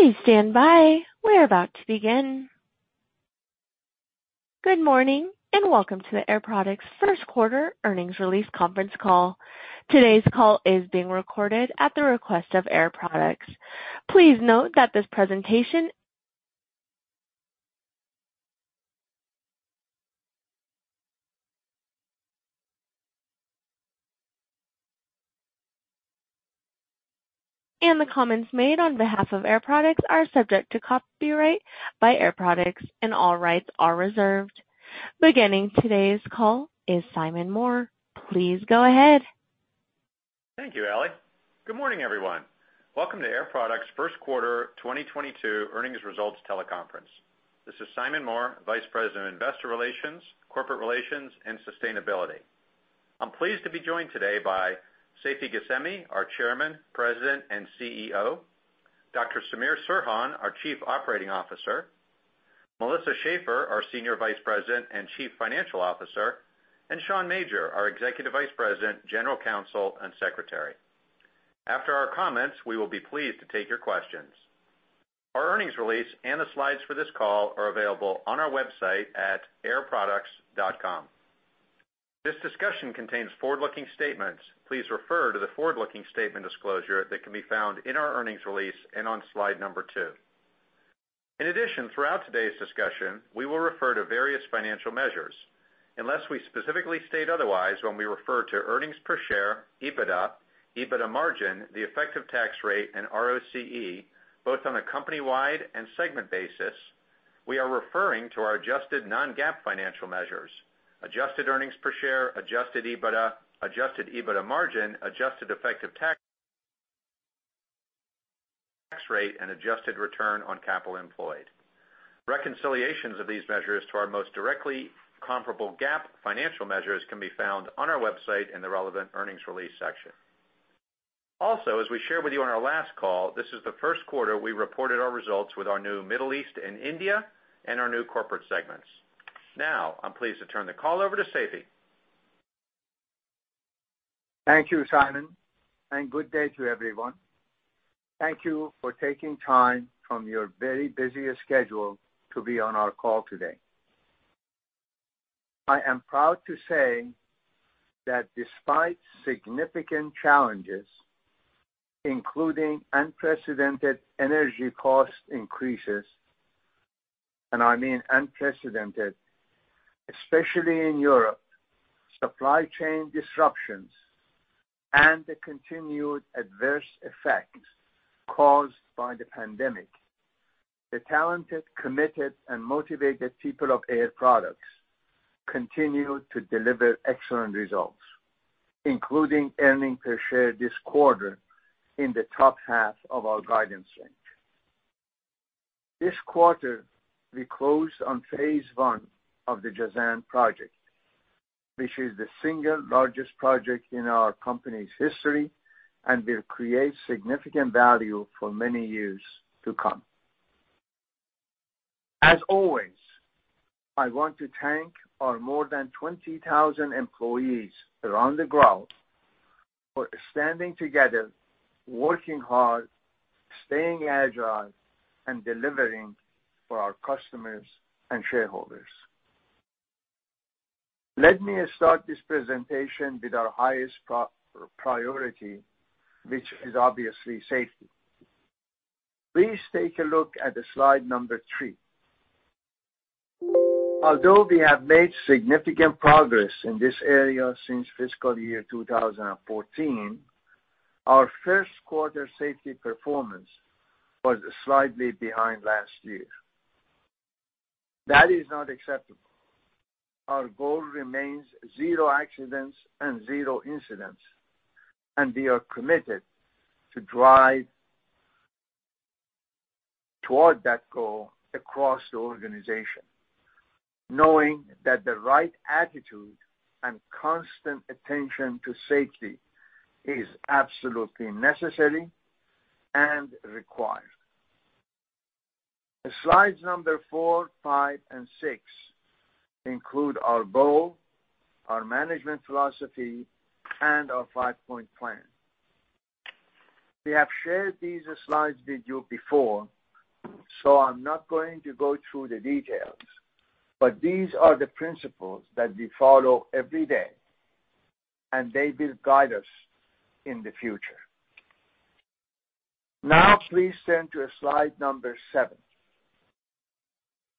Good morning, and welcome to the Air Products first quarter earnings release conference call. Today's call is being recorded at the request of Air Products. Please note that this presentation and the comments made on behalf of Air Products are subject to copyright by Air Products and all rights are reserved. Beginning today's call is Simon Moore. Please go ahead. Thank you, Ally. Good morning, everyone. Welcome to Air Products first quarter 2022 earnings results teleconference. This is Simon Moore, Vice President of Investor Relations, Corporate Relations, and Sustainability. I'm pleased to be joined today by Seifi Ghasemi, our Chairman, President, and CEO, Dr. Samir Serhan, our Chief Operating Officer, Melissa Schaeffer, our Senior Vice President and Chief Financial Officer, and Sean Major, our Executive Vice President, General Counsel, and Secretary. After our comments, we will be pleased to take your questions. Our earnings release and the slides for this call are available on our website at airproducts.com. This discussion contains forward-looking statements. Please refer to the forward-looking statement disclosure that can be found in our earnings release and on slide number 2. In addition, throughout today's discussion, we will refer to various financial measures. Unless we specifically state otherwise when we refer to earnings per share, EBITDA margin, the effective tax rate, and ROCE, both on a company-wide and segment basis, we are referring to our adjusted non-GAAP financial measures. Adjusted earnings per share, adjusted EBITDA, adjusted EBITDA margin, adjusted effective tax rate, and adjusted return on capital employed. Reconciliations of these measures to our most directly comparable GAAP financial measures can be found on our website in the relevant earnings release section. Also, as we shared with you on our last call, this is the first quarter we reported our results with our new Middle East and India and our new corporate segments. Now, I'm pleased to turn the call over to Seifi. Thank you, Simon, and good day to everyone. Thank you for taking time from your very busy schedule to be on our call today. I am proud to say that despite significant challenges, including unprecedented energy cost increases, and I mean unprecedented, especially in Europe, supply chain disruptions, and the continued adverse effects caused by the pandemic. The talented, committed, and motivated people of Air Products continue to deliver excellent results, including earnings per share this quarter in the top half of our guidance range. This quarter, we closed on phase I of the Jazan project, which is the single largest project in our company's history and will create significant value for many years to come. As always, I want to thank our more than 20,000 employees around the globe for standing together, working hard, staying agile, and delivering for our customers and shareholders. Let me start this presentation with our highest priority, which is obviously safety. Please take a look at slide number 3. Although we have made significant progress in this area since fiscal year 2014, our first quarter safety performance was slightly behind last year. That is not acceptable. Our goal remains zero accidents and zero incidents, and we are committed to drive toward that goal across the organization, knowing that the right attitude and constant attention to safety is absolutely necessary and required. Slides number 4, 5, and 6 include our goal, our management philosophy, and our five-point plan. We have shared these slides with you before, so I'm not going to go through the details, but these are the principles that we follow every day, and they will guide us in the future. Now please turn to slide number 7.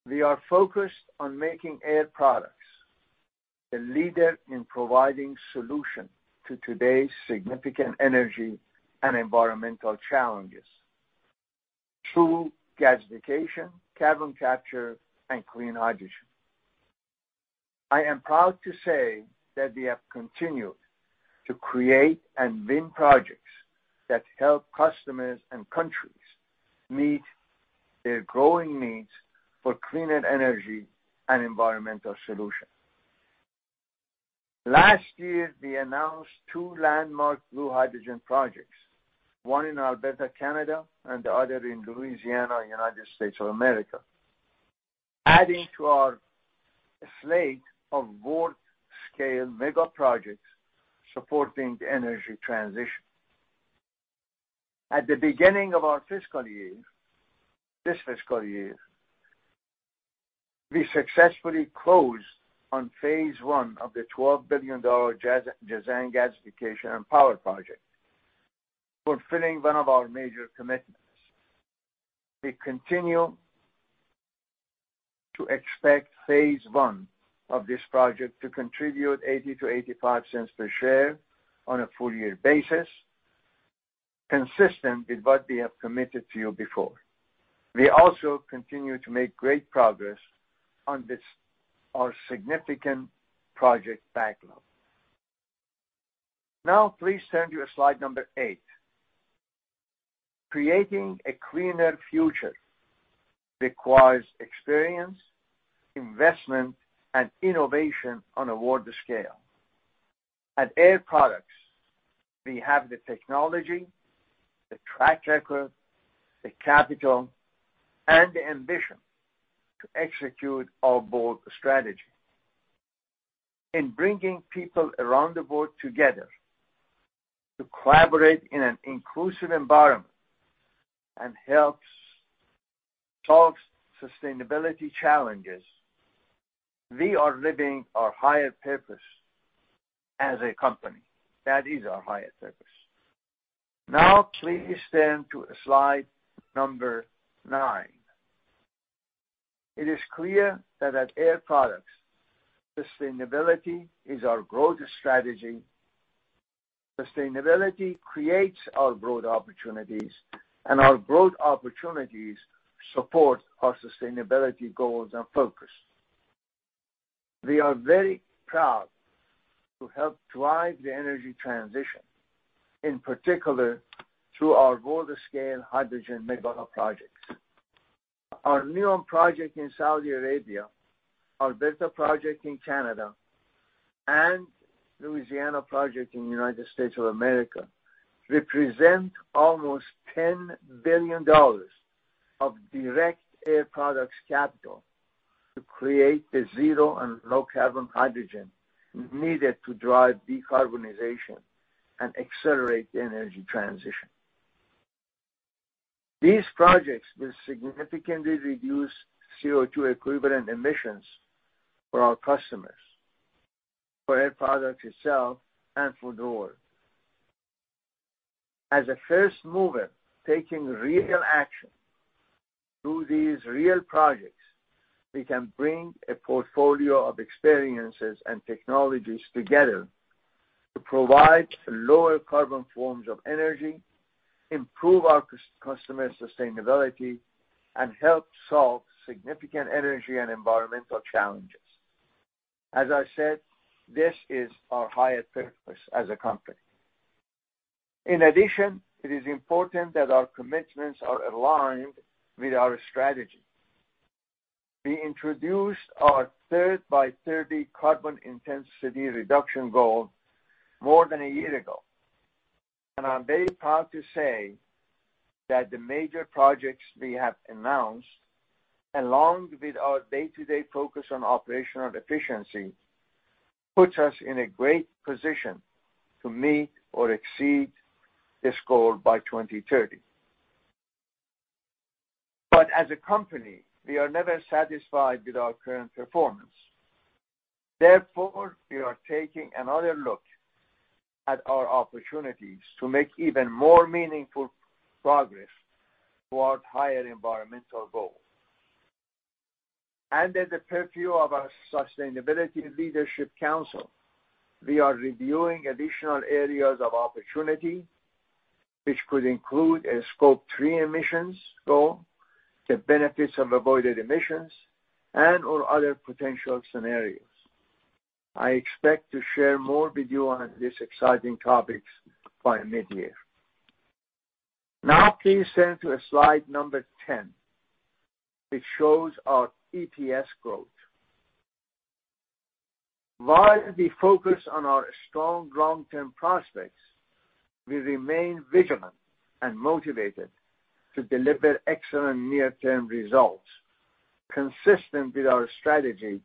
We are focused on making Air Products the leader in providing solutions to today's significant energy and environmental challenges through gasification, carbon capture, and clean hydrogen. I am proud to say that we have continued to create and win projects that help customers and countries meet their growing needs for cleaner energy and environmental solutions. Last year, we announced two landmark Blue Hydrogen projects, one in Alberta, Canada, and the other in Louisiana, United States of America, adding to our slate of world-scale mega projects supporting the energy transition. At the beginning of our fiscal year, this fiscal year, we successfully closed on phase I of the $12 billion Jazan gasification and power project, fulfilling one of our major commitments. We continue to expect phase I of this project to contribute $0.80-$0.85 per share on a full year basis, consistent with what we have committed to you before. We also continue to make great progress on this, our significant project backlog. Now please turn to slide 8. Creating a cleaner future requires experience, investment, and innovation on a world scale. At Air Products, we have the technology, the track record, the capital, and the ambition to execute our bold strategy. In bringing people around the world together to collaborate in an inclusive environment and helps solve sustainability challenges, we are living our higher purpose as a company. That is our higher purpose. Now please turn to slide 9. It is clear that at Air Products, sustainability is our growth strategy. Sustainability creates our growth opportunities, and our growth opportunities support our sustainability goals and focus. We are very proud to help drive the energy transition, in particular, through our world-scale hydrogen mega projects. Our Neom project in Saudi Arabia, Alberta project in Canada, and Louisiana project in United States of America represent almost $10 billion of direct Air Products capital to create the zero and low carbon hydrogen needed to drive decarbonization and accelerate the energy transition. These projects will significantly reduce CO₂-equivalent emissions for our customers, for Air Products itself, and for the world. As a first mover taking real action through these real projects, we can bring a portfolio of experiences and technologies together to provide lower carbon forms of energy, improve our customer sustainability, and help solve significant energy and environmental challenges. As I said, this is our highest purpose as a company. In addition, it is important that our commitments are aligned with our strategy. We introduced our Third by '30 carbon intensity reduction goal more than a year ago, and I'm very proud to say that the major projects we have announced, along with our day-to-day focus on operational efficiency, puts us in a great position to meet or exceed this goal by 2030. As a company, we are never satisfied with our current performance. Therefore, we are taking another look at our opportunities to make even more meaningful progress towards higher environmental goals. Under the purview of our Sustainability Leadership Council, we are reviewing additional areas of opportunity, which could include a Scope 3 emissions goal, the benefits of avoided emissions, and/or other potential scenarios. I expect to share more with you on these exciting topics by mid-year. Now please turn to slide number 10. It shows our EPS growth. While we focus on our strong long-term prospects, we remain vigilant and motivated to deliver excellent near term results consistent with our strategy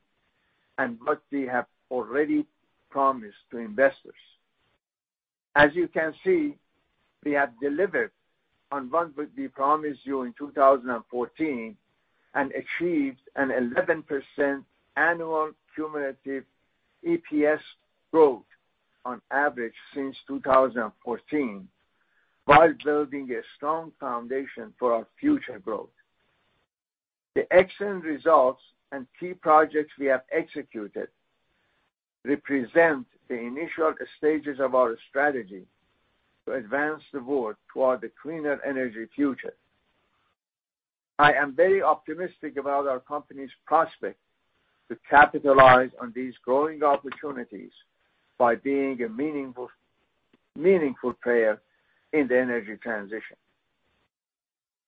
and what we have already promised to investors. As you can see, we have delivered on what we promised you in 2014 and achieved an 11% annual cumulative EPS growth on average since 2014 while building a strong foundation for our future growth. The excellent results and key projects we have executed represent the initial stages of our strategy to advance the world toward a cleaner energy future. I am very optimistic about our company's prospects to capitalize on these growing opportunities by being a meaningful player in the energy transition.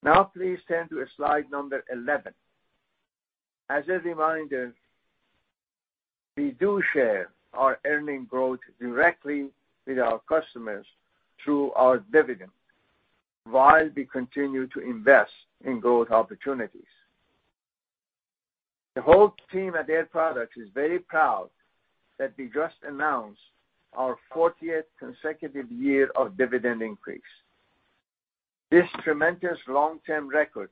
Now please turn to slide 11. As a reminder, we do share our earning growth directly with our customers through our dividend, while we continue to invest in growth opportunities. The whole team at Air Products is very proud that we just announced our 40th consecutive year of dividend increase. This tremendous long-term record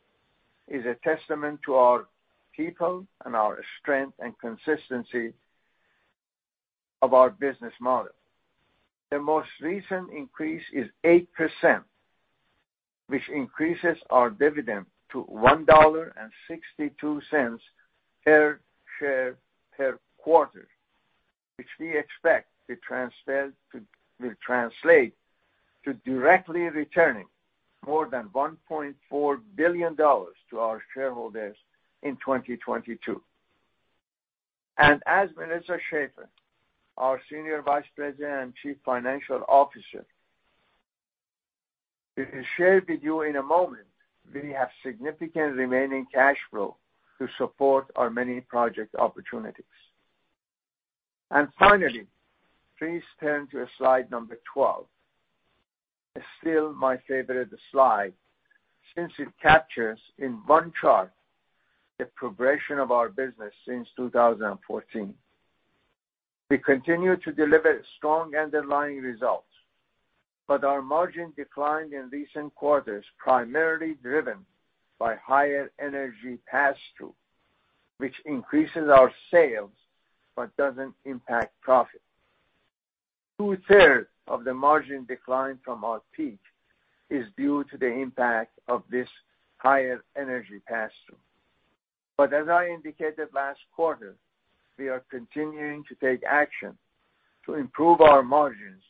is a testament to our people and our strength and consistency of our business model. The most recent increase is 8%, which increases our dividend to $1.62 per share per quarter, which we expect will translate to directly returning more than $1.4 billion to our shareholders in 2022. As Melissa N. Schaeffer, our Senior Vice President and Chief Financial Officer will share with you in a moment, we have significant remaining cash flow to support our many project opportunities. Finally, please turn to slide 12. It's still my favorite slide since it captures in one chart the progression of our business since 2014. We continue to deliver strong underlying results, but our margin declined in recent quarters, primarily driven by higher energy pass-through, which increases our sales but doesn't impact profit. Two-thirds of the margin decline from our peak is due to the impact of this higher energy pass-through. As I indicated last quarter, we are continuing to take action to improve our margins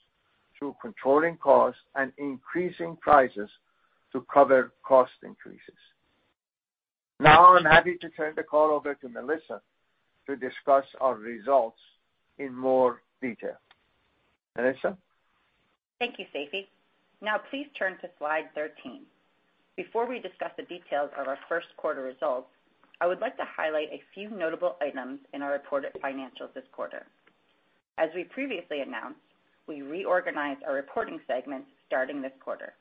through controlling costs and increasing prices to cover cost increases. Now, I'm happy to turn the call over to Melissa to discuss our results in more detail. Melissa. Thank you, Seifi. Now please turn to slide 13. Before we discuss the details of our first quarter results, I would like to highlight a few notable items in our reported financials this quarter. As we previously announced, we reorganized our reporting segments starting this quarter.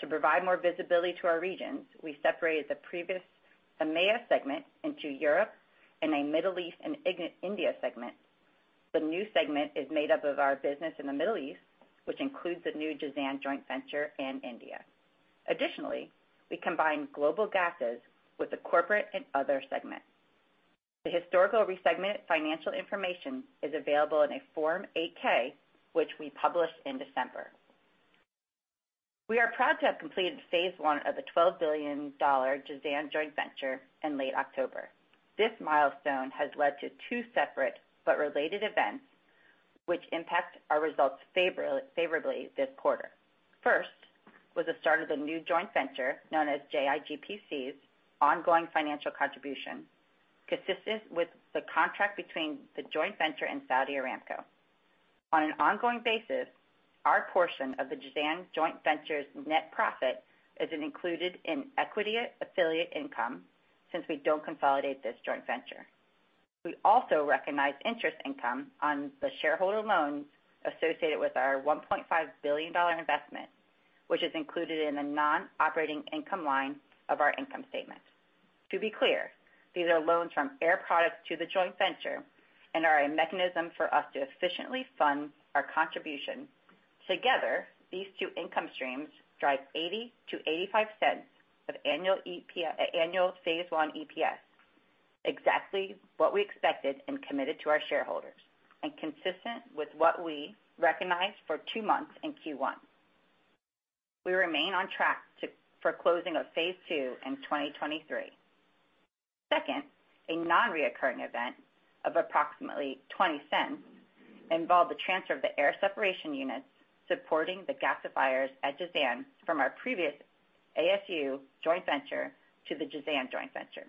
To provide more visibility to our regions, we separated the previous EMEA segment into Europe and a Middle East and India segment. The new segment is made up of our business in the Middle East, which includes the new Jazan joint venture in India. Additionally, we combined global gases with the corporate and other segment. The historical re-segment financial information is available in a Form 8-K, which we published in December. We are proud to have completed phase I of the $12 billion Jazan joint venture in late October. This milestone has led to two separate but related events which impact our results favorably this quarter. First, was the start of the new joint venture known as JIGPC's ongoing financial contribution, consistent with the contract between the joint venture and Saudi Aramco. On an ongoing basis, our portion of the Jazan joint venture's net profit is included in equity affiliate income, since we don't consolidate this joint venture. We also recognize interest income on the shareholder loans associated with our $1.5 billion investment, which is included in the non-operating income line of our income statement. To be clear, these are loans from Air Products to the joint venture and are a mechanism for us to efficiently fund our contribution. Together, these two income streams drive $0.80-$0.85 of annual phase I EPS, exactly what we expected and committed to our shareholders, and consistent with what we recognized for two months in Q1. We remain on track for closing of phase II in 2023. Second, a nonrecurring event of approximately $0.20 involved the transfer of the air separation units supporting the gasifiers at Jazan from our previous ASU joint venture to the Jazan joint venture.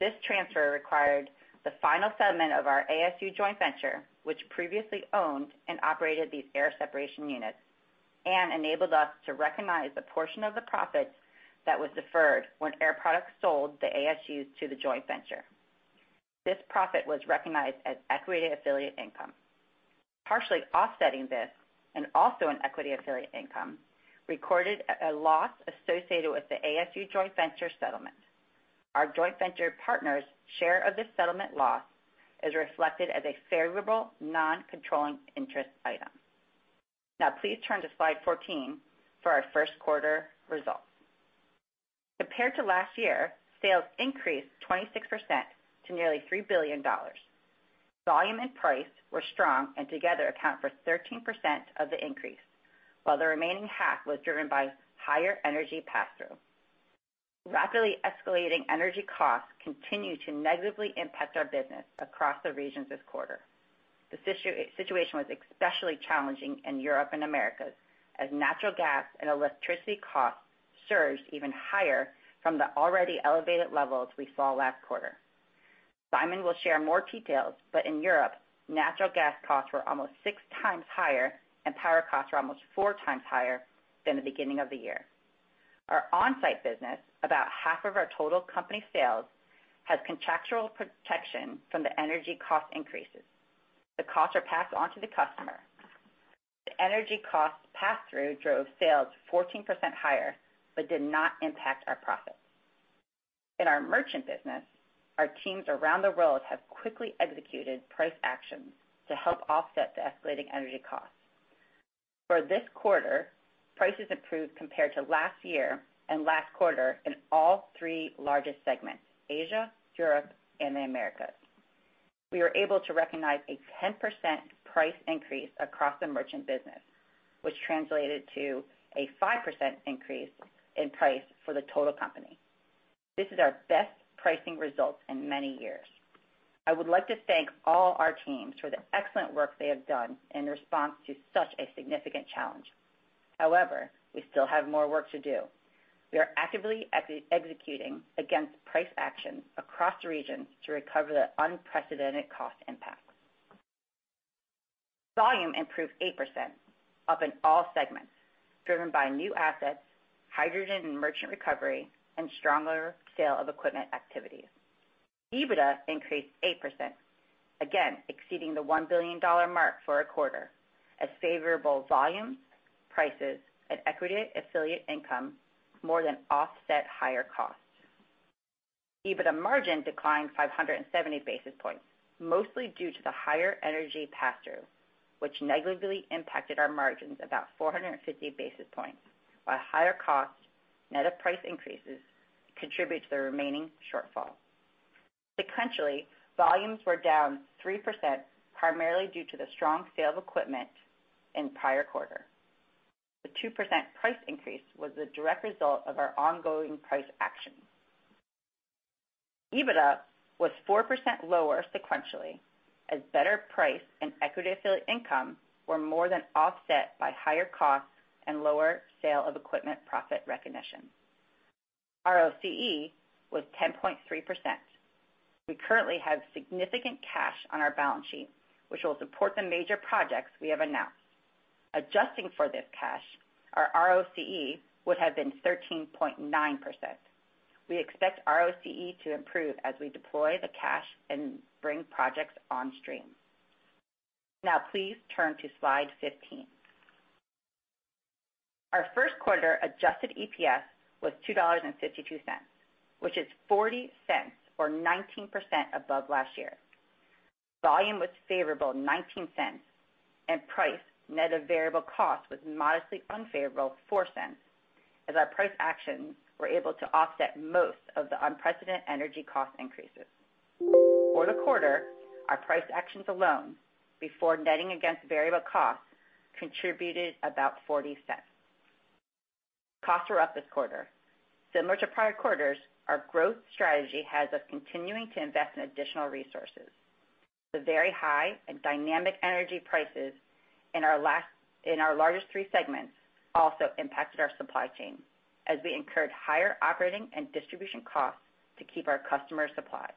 This transfer required the final settlement of our ASU joint venture, which previously owned and operated these air separation units, and enabled us to recognize the portion of the profits that was deferred when Air Products sold the ASUs to the joint venture. This profit was recognized as equity affiliate income. Partially offsetting this, and also in equity affiliate income, recorded a loss associated with the ASU joint venture settlement. Our joint venture partners' share of this settlement loss is reflected as a favorable non-controlling interest item. Now please turn to slide 14 for our first quarter results. Compared to last year, sales increased 26% to nearly $3 billion. Volume and price were strong and together account for 13% of the increase, while the remaining half was driven by higher energy pass-through. Rapidly escalating energy costs continued to negatively impact our business across the regions this quarter. The situation was especially challenging in Europe and Americas, as natural gas and electricity costs surged even higher from the already elevated levels we saw last quarter. Simon will share more details, but in Europe, natural gas costs were almost six times higher and power costs were almost four times higher than the beginning of the year. Our on-site business, about half of our total company sales, has contractual protection from the energy cost increases. The costs are passed on to the customer. The energy costs pass-through drove sales 14% higher, but did not impact our profits. In our merchant business, our teams around the world have quickly executed price actions to help offset the escalating energy costs. For this quarter, prices improved compared to last year and last quarter in all three largest segments, Asia, Europe, and the Americas. We were able to recognize a 10% price increase across the merchant business, which translated to a 5% increase in price for the total company. This is our best pricing results in many years. I would like to thank all our teams for the excellent work they have done in response to such a significant challenge. However, we still have more work to do. We are actively executing against price action across the region to recover the unprecedented cost impacts. Volume improved 8%, up in all segments, driven by new assets, hydrogen and merchant recovery, and stronger sale of equipment activities. EBITDA increased 8%, again, exceeding the $1 billion mark for a quarter as favorable volume, prices, and equity affiliate income more than offset higher costs. EBITDA margin declined 570 basis points, mostly due to the higher energy pass-through, which negatively impacted our margins about 450 basis points, while higher costs net of price increases contribute to the remaining shortfall. Sequentially, volumes were down 3%, primarily due to the strong sale of equipment in the prior quarter. The 2% price increase was the direct result of our ongoing price action. EBITDA was 4% lower sequentially as better price and equity affiliate income were more than offset by higher costs and lower sale of equipment profit recognition. ROCE was 10.3%. We currently have significant cash on our balance sheet, which will support the major projects we have announced. Adjusting for this cash, our ROCE would have been 13.9%. We expect ROCE to improve as we deploy the cash and bring projects on stream. Now please turn to slide 15. Our first quarter adjusted EPS was $2.52, which is $0.40 or 19% above last year. Volume was favorable $0.19, and price net of variable cost was modestly unfavorable $0.04, as our price actions were able to offset most of the unprecedented energy cost increases. For the quarter, our price actions alone, before netting against variable costs, contributed about $0.40. Costs were up this quarter. Similar to prior quarters, our growth strategy has us continuing to invest in additional resources. The very high and dynamic energy prices in our largest three segments also impacted our supply chain as we incurred higher operating and distribution costs to keep our customers supplied.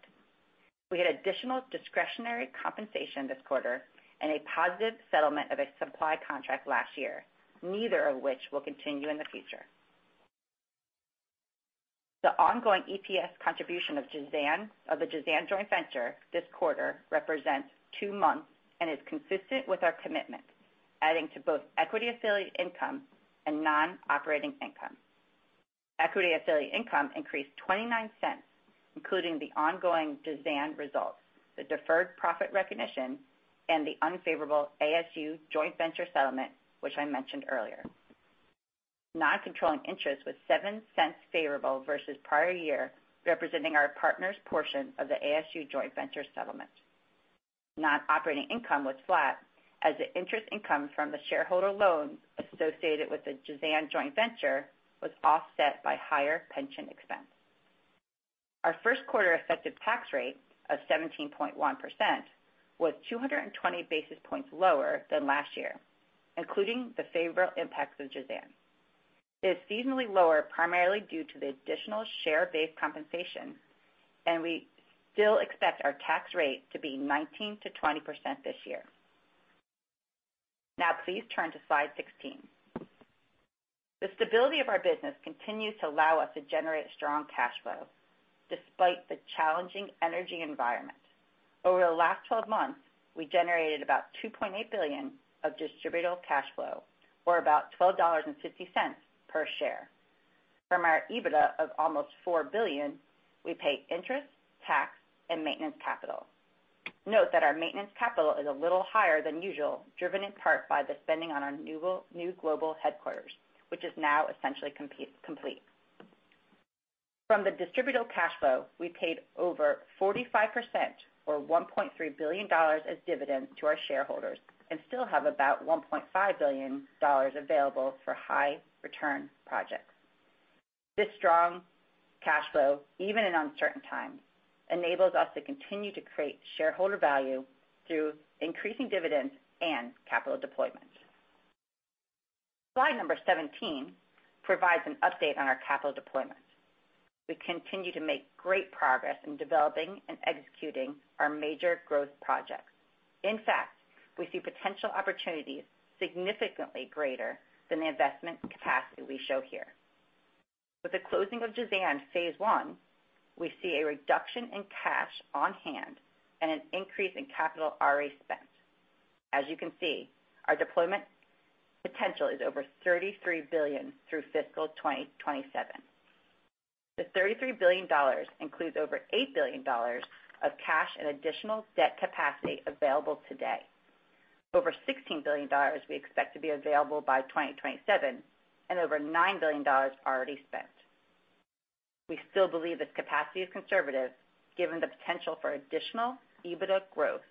We had additional discretionary compensation this quarter and a positive settlement of a supply contract last year, neither of which will continue in the future. The ongoing EPS contribution of Jazan joint venture this quarter represents two months and is consistent with our commitment, adding to both equity affiliate income and non-operating income. Equity affiliate income increased $0.29, including the ongoing Jazan results, the deferred profit recognition, and the unfavorable ASU joint venture settlement, which I mentioned earlier. Non-controlling interest was $0.07 favorable versus prior year, representing our partner's portion of the ASU joint venture settlement. Non-operating income was flat as the interest income from the shareholder loan associated with the Jazan joint venture was offset by higher pension expense. Our first quarter effective tax rate of 17.1% was 220 basis points lower than last year, including the favorable impacts of Jazan. It is seasonally lower, primarily due to the additional share-based compensation, and we still expect our tax rate to be 19%-20% this year. Now please turn to slide 16. The stability of our business continues to allow us to generate strong cash flow despite the challenging energy environment. Over the last 12 months, we generated about $2.8 billion of distributable cash flow or about $12.50 per share. From our EBITDA of almost $4 billion, we pay interest, tax, and maintenance capital. Note that our maintenance capital is a little higher than usual, driven in part by the spending on our new global headquarters, which is now essentially complete. From the distributable cash flow, we paid over 45% or $1.3 billion as dividends to our shareholders and still have about $1.5 billion available for high return projects. This strong cash flow, even in uncertain times, enables us to continue to create shareholder value through increasing dividends and capital deployments. Slide 17 provides an update on our capital deployment. We continue to make great progress in developing and executing our major growth projects. In fact, we see potential opportunities significantly greater than the investment capacity we show here. With the closing of Jazan phase I, we see a reduction in cash on hand and an increase in capital capex spend. As you can see, our deployment potential is over $33 billion through fiscal 2027. The $33 billion includes over $8 billion of cash and additional debt capacity available today. Over $16 billion we expect to be available by 2027, and over $9 billion already spent. We still believe this capacity is conservative given the potential for additional EBITDA growth,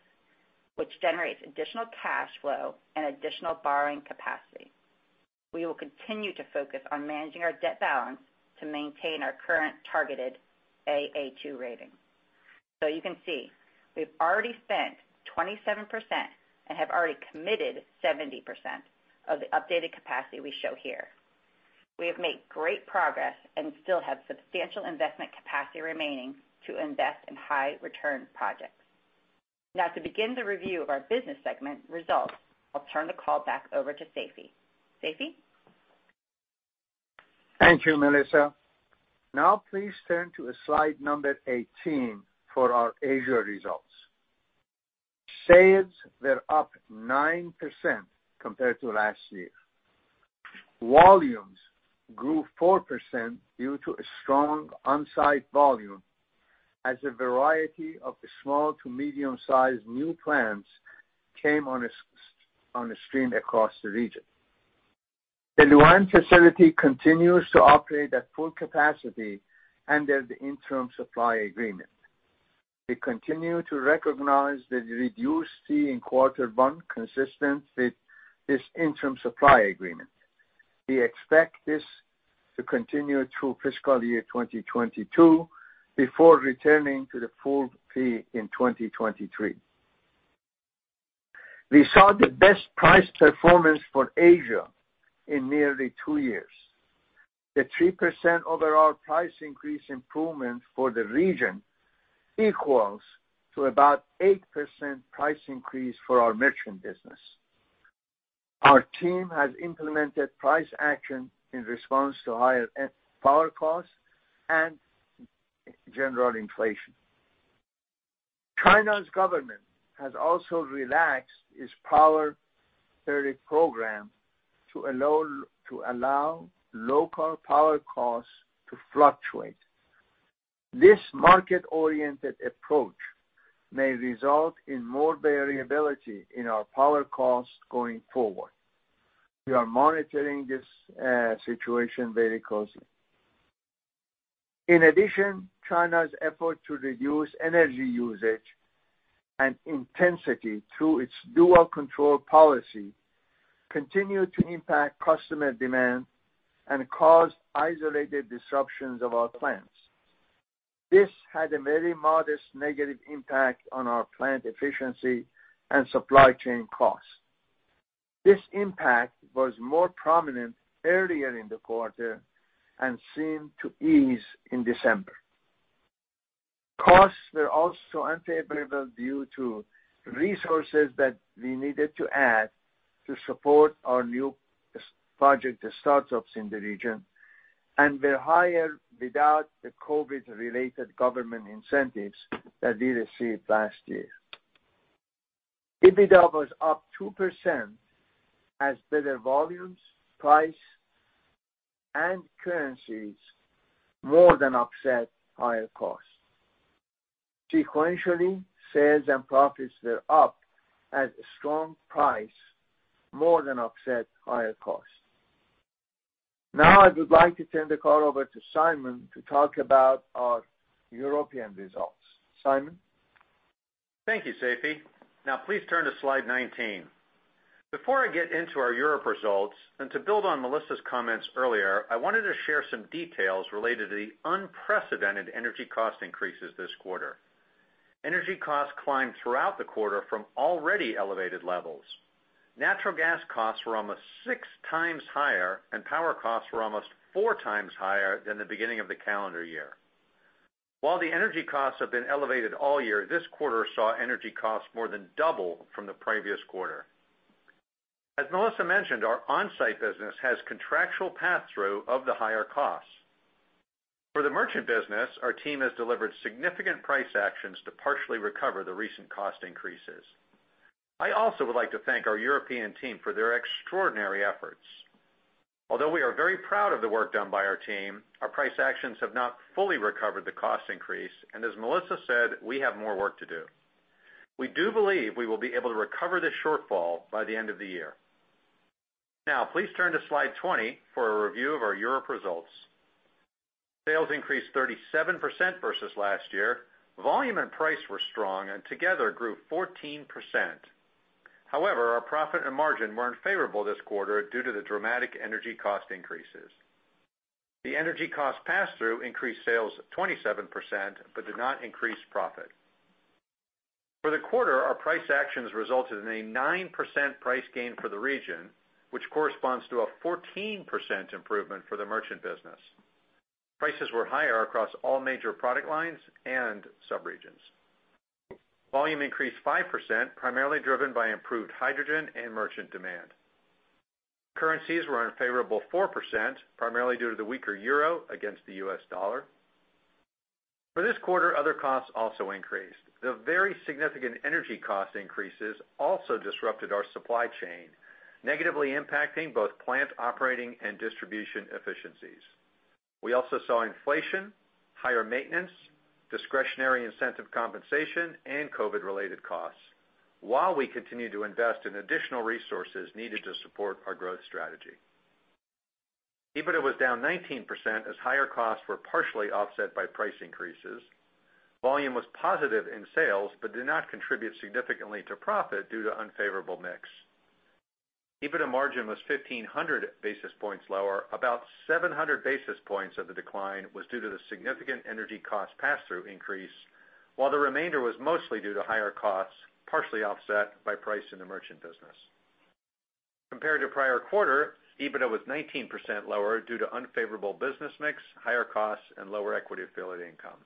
which generates additional cash flow and additional borrowing capacity. We will continue to focus on managing our debt balance to maintain our current targeted AA2 rating. You can see we've already spent 27% and have already committed 70% of the updated capacity we show here. We have made great progress and still have substantial investment capacity remaining to invest in high return projects. Now to begin the review of our business segment results, I'll turn the call back over to Seifi. Seifi? Thank you, Melissa. Now please turn to slide number 18 for our Asia results. Sales were up 9% compared to last year. Volumes grew 4% due to a strong on-site volume as a variety of the small to medium-sized new plants came on stream across the region. The Lu'an facility continues to operate at full capacity under the interim supply agreement. We continue to recognize the reduced fee in quarter one consistent with this interim supply agreement. We expect this to continue through fiscal year 2022 before returning to the full fee in 2023. We saw the best price performance for Asia in nearly two years. The 3% overall price increase improvement for the region equals to about 8% price increase for our merchant business. Our team has implemented price action in response to higher power costs and general inflation. China's government has also relaxed its power rationing program to allow local power costs to fluctuate. This market-oriented approach may result in more variability in our power costs going forward. We are monitoring this situation very closely. In addition, China's effort to reduce energy usage and intensity through its dual control policy continued to impact customer demand and caused isolated disruptions of our plants. This had a very modest negative impact on our plant efficiency and supply chain costs. This impact was more prominent earlier in the quarter and seemed to ease in December. Costs were also unfavorable due to resources that we needed to add to support our new ASU project startups in the region and were higher without the COVID related government incentives that we received last year. EBITDA was up 2% as better volumes, price, and currencies more than offset higher costs. Sequentially, sales and profits were up as strong pricing more than offset higher costs. Now I would like to turn the call over to Simon to talk about our European results. Simon? Thank you, Seifi. Now please turn to slide 19. Before I get into our Europe results, and to build on Melissa's comments earlier, I wanted to share some details related to the unprecedented energy cost increases this quarter. Energy costs climbed throughout the quarter from already elevated levels. Natural gas costs were almost six times higher, and power costs were almost four times higher than the beginning of the calendar year. While the energy costs have been elevated all year, this quarter saw energy costs more than double from the previous quarter. As Melissa mentioned, our on-site business has contractual pass-through of the higher costs. For the merchant business, our team has delivered significant price actions to partially recover the recent cost increases. I also would like to thank our European team for their extraordinary efforts. Although we are very proud of the work done by our team, our price actions have not fully recovered the cost increase, and as Melissa said, we have more work to do. We do believe we will be able to recover this shortfall by the end of the year. Now please turn to slide 20 for a review of our Europe results. Sales increased 37% versus last year. Volume and price were strong and together grew 14%. However, our profit and margin weren't favorable this quarter due to the dramatic energy cost increases. The energy cost pass-through increased sales 27% but did not increase profit. For the quarter, our price actions resulted in a 9% price gain for the region, which corresponds to a 14% improvement for the merchant business. Prices were higher across all major product lines and sub-regions. Volume increased 5%, primarily driven by improved hydrogen and merchant demand. Currencies were unfavorable 4%, primarily due to the weaker euro against the U.S. dollar. For this quarter, other costs also increased. The very significant energy cost increases also disrupted our supply chain, negatively impacting both plant operating and distribution efficiencies. We also saw inflation, higher maintenance, discretionary incentive compensation, and COVID-related costs while we continued to invest in additional resources needed to support our growth strategy. EBITDA was down 19% as higher costs were partially offset by price increases. Volume was positive in sales but did not contribute significantly to profit due to unfavorable mix. EBITDA margin was 1,500 basis points lower. About 700 basis points of the decline was due to the significant energy cost pass-through increase, while the remainder was mostly due to higher costs, partially offset by price in the merchant business. Compared to the prior quarter, EBITDA was 19% lower due to unfavorable business mix, higher costs, and lower equity affiliate income.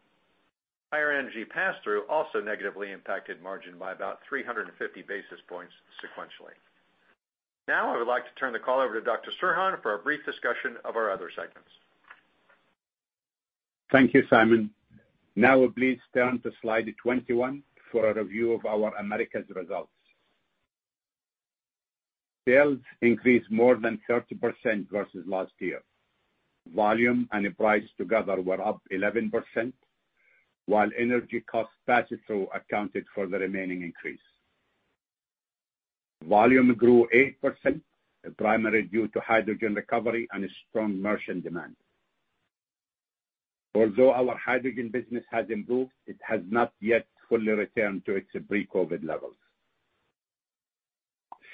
Higher energy pass-through also negatively impacted margin by about 350 basis points sequentially. Now, I would like to turn the call over to Dr. Serhan for a brief discussion of our other segments. Thank you, Simon. Now, please turn to slide 21 for a review of our Americas results. Sales increased more than 30% versus last year. Volume and price together were up 11%, while energy cost pass-through accounted for the remaining increase. Volume grew 8%, primarily due to hydrogen recovery and strong merchant demand. Although our hydrogen business has improved, it has not yet fully returned to its pre-COVID levels.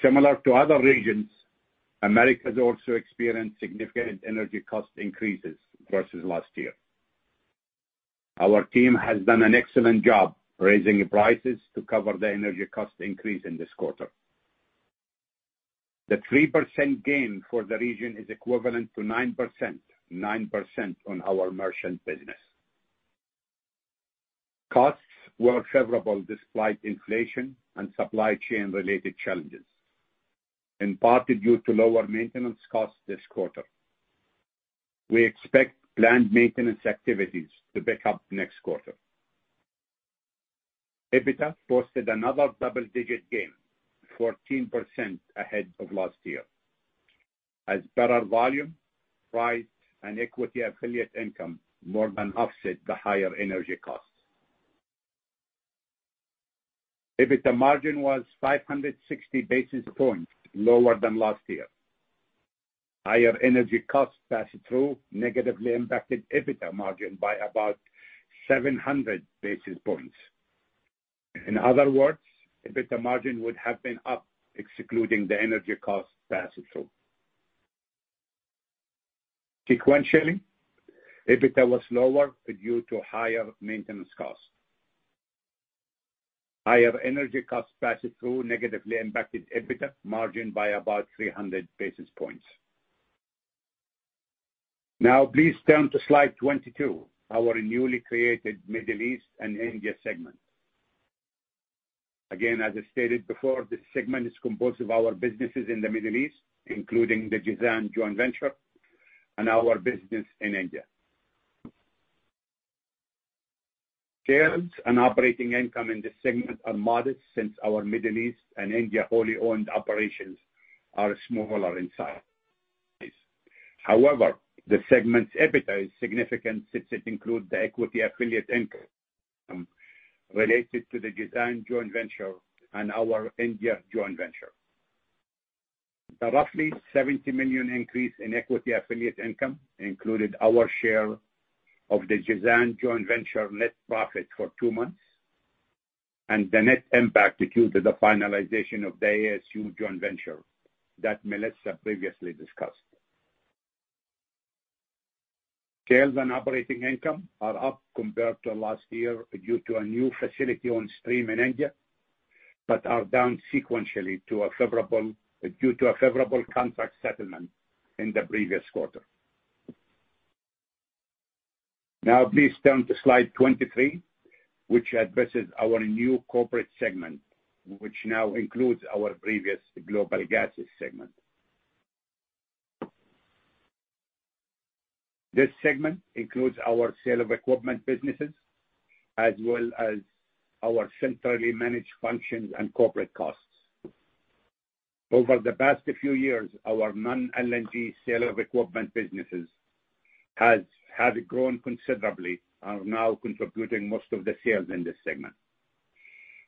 Similar to other regions, Americas also experienced significant energy cost increases versus last year. Our team has done an excellent job raising prices to cover the energy cost increase in this quarter. The 3% gain for the region is equivalent to 9%, 9% on our merchant business. Costs were favorable despite inflation and supply chain related challenges, in part due to lower maintenance costs this quarter. We expect plant maintenance activities to pick up next quarter. EBITDA posted another double-digit gain, 14% ahead of last year, as better volume, price, and equity affiliate income more than offset the higher energy costs. EBITDA margin was 560 basis points lower than last year. Higher energy cost pass-through negatively impacted EBITDA margin by about 700 basis points. In other words, EBITDA margin would have been up excluding the energy cost pass-through. Sequentially, EBITDA was lower due to higher maintenance costs. Higher energy cost pass-through negatively impacted EBITDA margin by about 300 basis points. Now, please turn to slide 22, our newly created Middle East and India segment. Again, as I stated before, this segment is composed of our businesses in the Middle East, including the Jazan joint venture and our business in India. Sales and operating income in this segment are modest since our Middle East and India wholly owned operations are smaller in size. However, the segment's EBITDA is significant since it includes the equity affiliate income related to the Jazan joint venture and our India joint venture. The roughly $70 million increase in equity affiliate income included our share of the Jazan joint venture net profit for two months and the net impact due to the finalization of the ASU joint venture that Melissa previously discussed. Sales and operating income are up compared to last year due to a new facility on stream in India, but are down sequentially due to a favorable contract settlement in the previous quarter. Now, please turn to slide 23, which addresses our new corporate segment, which now includes our previous global gases segment. This segment includes our sales of equipment businesses, as well as our centrally managed functions and corporate costs. Over the past few years, our non-LNG sales of equipment businesses has grown considerably and are now contributing most of the sales in this segment.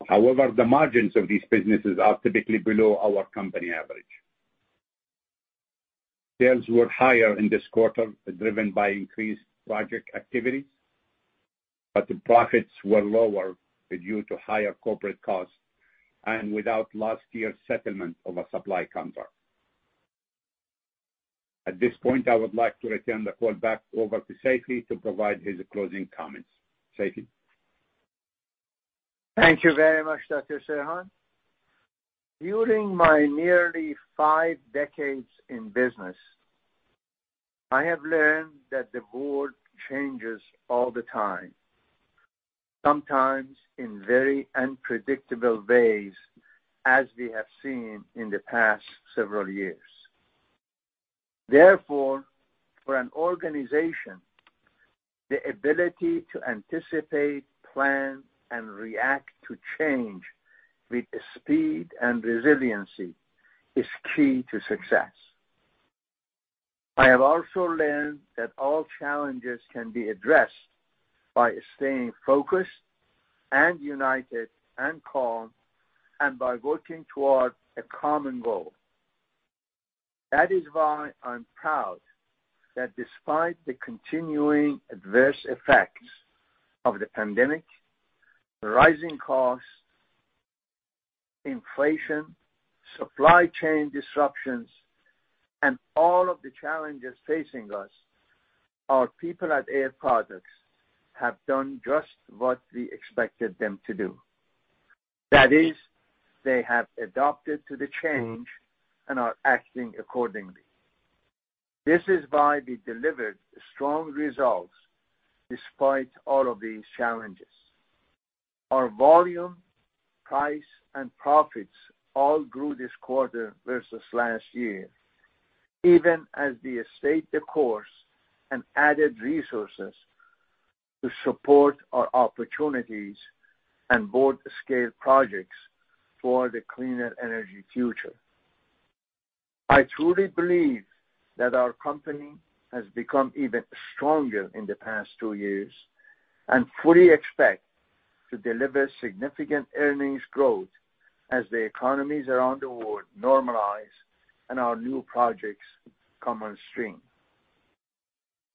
However, the margins of these businesses are typically below our company average. Sales were higher in this quarter, driven by increased project activity, but the profits were lower due to higher corporate costs and without last year's settlement of a supply contract. At this point, I would like to return the call back over to Seifi to provide his closing comments. Seifi? Thank you very much, Dr. Serhan. During my nearly five decades in business, I have learned that the board changes all the time, sometimes in very unpredictable ways, as we have seen in the past several years. Therefore, for an organization, the ability to anticipate, plan, and react to change with speed and resiliency is key to success. I have also learned that all challenges can be addressed by staying focused and united and calm, and by working towards a common goal. That is why I'm proud that despite the continuing adverse effects of the pandemic, rising costs, inflation, supply chain disruptions, and all of the challenges facing us, our people at Air Products have done just what we expected them to do. That is, they have adapted to the change and are acting accordingly. This is why we delivered strong results despite all of these challenges. Our volume, price, and profits all grew this quarter versus last year, even as we stayed the course and added resources to support our opportunities and world-scale projects for the cleaner energy future. I truly believe that our company has become even stronger in the past two years, and fully expect to deliver significant earnings growth as the economies around the world normalize and our new projects come on stream.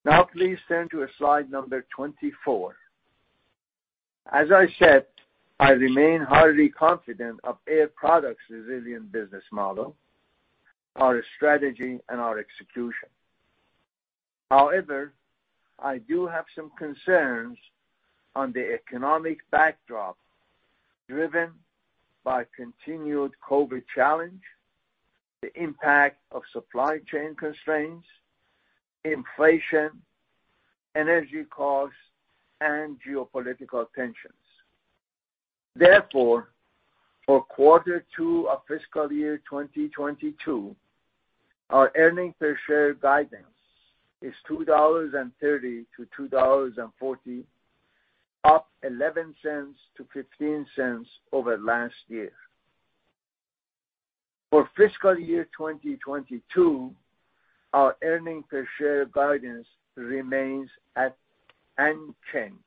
Now, please turn to slide number 24. As I said, I remain highly confident of Air Products' resilient business model, our strategy, and our execution. However, I do have some concerns on the economic backdrop driven by continued COVID challenge, the impact of supply chain constraints, inflation, energy costs, and geopolitical tensions. Therefore, for quarter two of fiscal year 2022, our earnings per share guidance is $2.30-$2.40, up 11 cents-15 cents over last year. For fiscal year 2022, our earnings per share guidance remains unchanged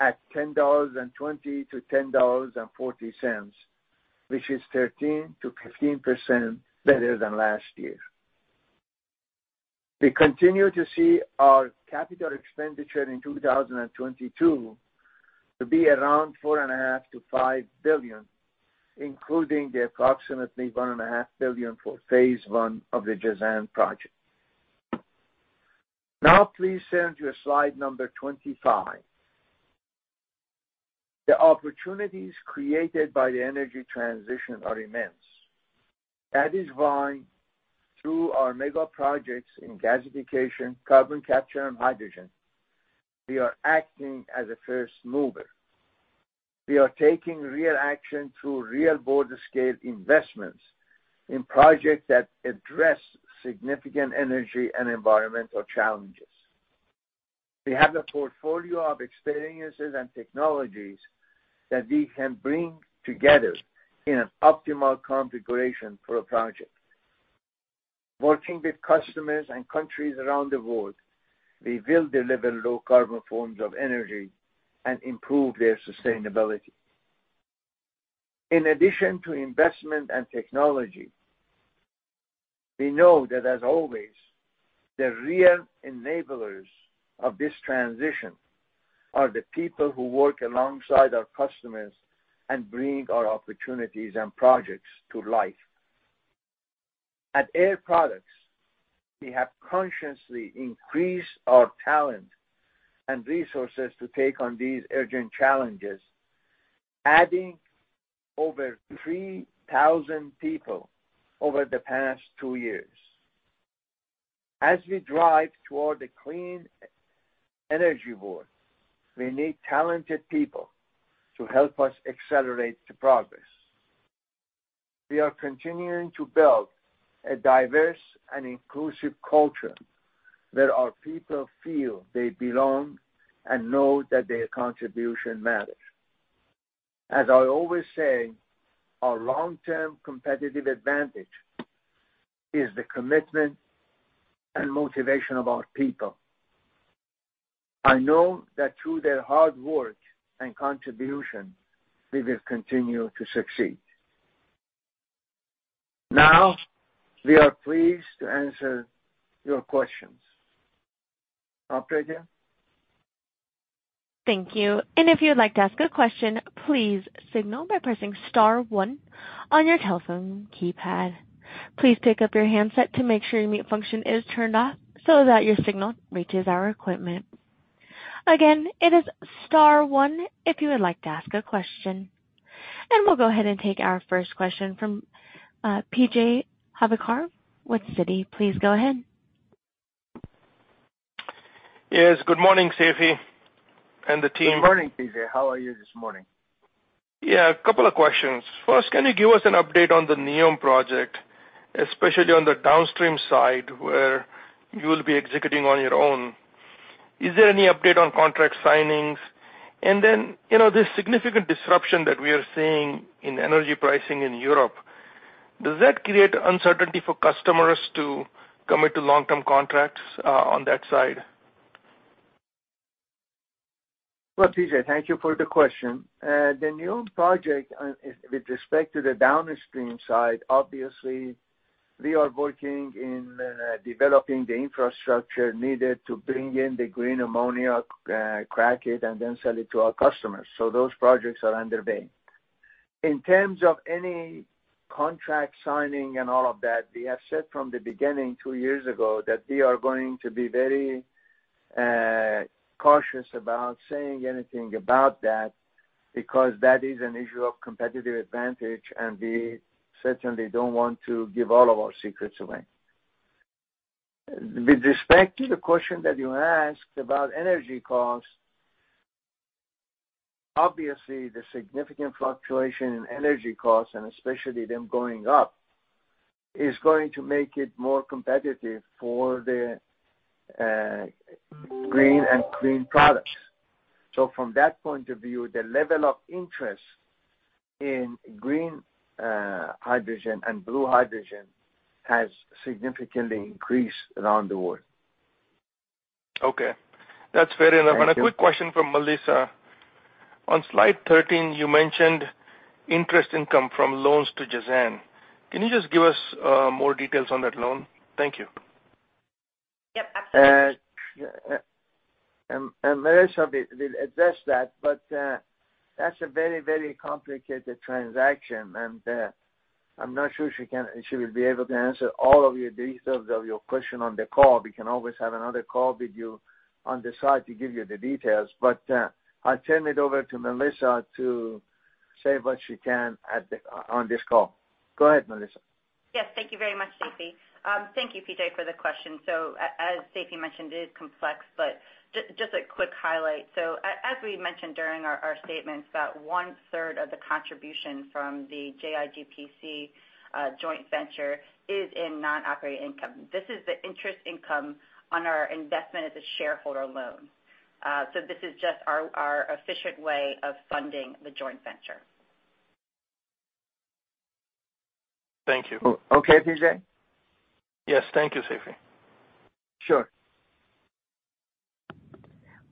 at $10.20-$10.40, which is 13%-15% better than last year. We continue to see our capital expenditure in 2022 to be around $4.5 billion-$5 billion, including the approximately $1.5 billion for phase I of the Jazan project. Now, please turn to slide 25. The opportunities created by the energy transition are immense. That is why through our mega projects in gasification, carbon capture, and hydrogen, we are acting as a first mover. We are taking real action through real world-scale investments in projects that address significant energy and environmental challenges. We have the portfolio of experiences and technologies that we can bring together in an optimal configuration for a project. Working with customers and countries around the world, we will deliver low carbon forms of energy and improve their sustainability. In addition to investment and technology, we know that as always, the real enablers of this transition are the people who work alongside our customers and bring our opportunities and projects to life. At Air Products, we have consciously increased our talent and resources to take on these urgent challenges, adding over 3,000 people over the past two years. As we drive toward the clean energy world, we need talented people to help us accelerate the progress. We are continuing to build a diverse and inclusive culture where our people feel they belong and know that their contribution matters. As I always say, our long-term competitive advantage is the commitment and motivation of our people. I know that through their hard work and contribution, we will continue to succeed. Now, we are pleased to answer your questions. Operator? Thank you. If you would like to ask a question, please signal by pressing star one on your telephone keypad. Please pick up your handset to make sure your mute function is turned off so that your signal reaches our equipment. Again, it is star one if you would like to ask a question. We'll go ahead and take our first question from P.J. Juvekar with Citi. Please go ahead. Yes, good morning, Seifi and the team. Good morning, PJ. How are you this morning? Yeah, a couple of questions. First, can you give us an update on the NEOM project, especially on the downstream side where you will be executing on your own? Is there any update on contract signings? And then, you know, this significant disruption that we are seeing in energy pricing in Europe, does that create uncertainty for customers to commit to long-term contracts, on that side? Well, P.J., thank you for the question. The NEOM project on, with respect to the downstream side, obviously we are working in developing the infrastructure needed to bring in the Green Ammonia, crack it, and then sell it to our customers. Those projects are underway. In terms of any contract signing and all of that, we have said from the beginning two years ago that we are going to be very cautious about saying anything about that because that is an issue of competitive advantage, and we certainly don't want to give all of our secrets away. With respect to the question that you asked about energy costs, obviously the significant fluctuation in energy costs, and especially them going up, is going to make it more competitive for the green and clean products. From that point of view, the level of interest in Green Hydrogen and Blue Hydrogen has significantly increased around the world. Okay. That's fair enough. Thank you. A quick question from Melissa. On slide 13, you mentioned interest income from loans to Jazan. Can you just give us more details on that loan? Thank you. Yep, absolutely. Melissa will address that, but that's a very complicated transaction. I'm not sure she can she will be able to answer all the details of your question on the call. We can always have another call with you on the side to give you the details. I'll turn it over to Melissa to say what she can on this call. Go ahead, Melissa. Yes, thank you very much, Seifi. Thank you, P.J., for the question. As Seifi mentioned, it is complex, but just a quick highlight. As we mentioned during our statements, about one-third of the contribution from the JIGPC joint venture is in non-operating income. This is the interest income on our investment as a shareholder loan. This is just our efficient way of funding the joint venture. Thank you. Okay, PJ? Yes. Thank you, Seifi. Sure.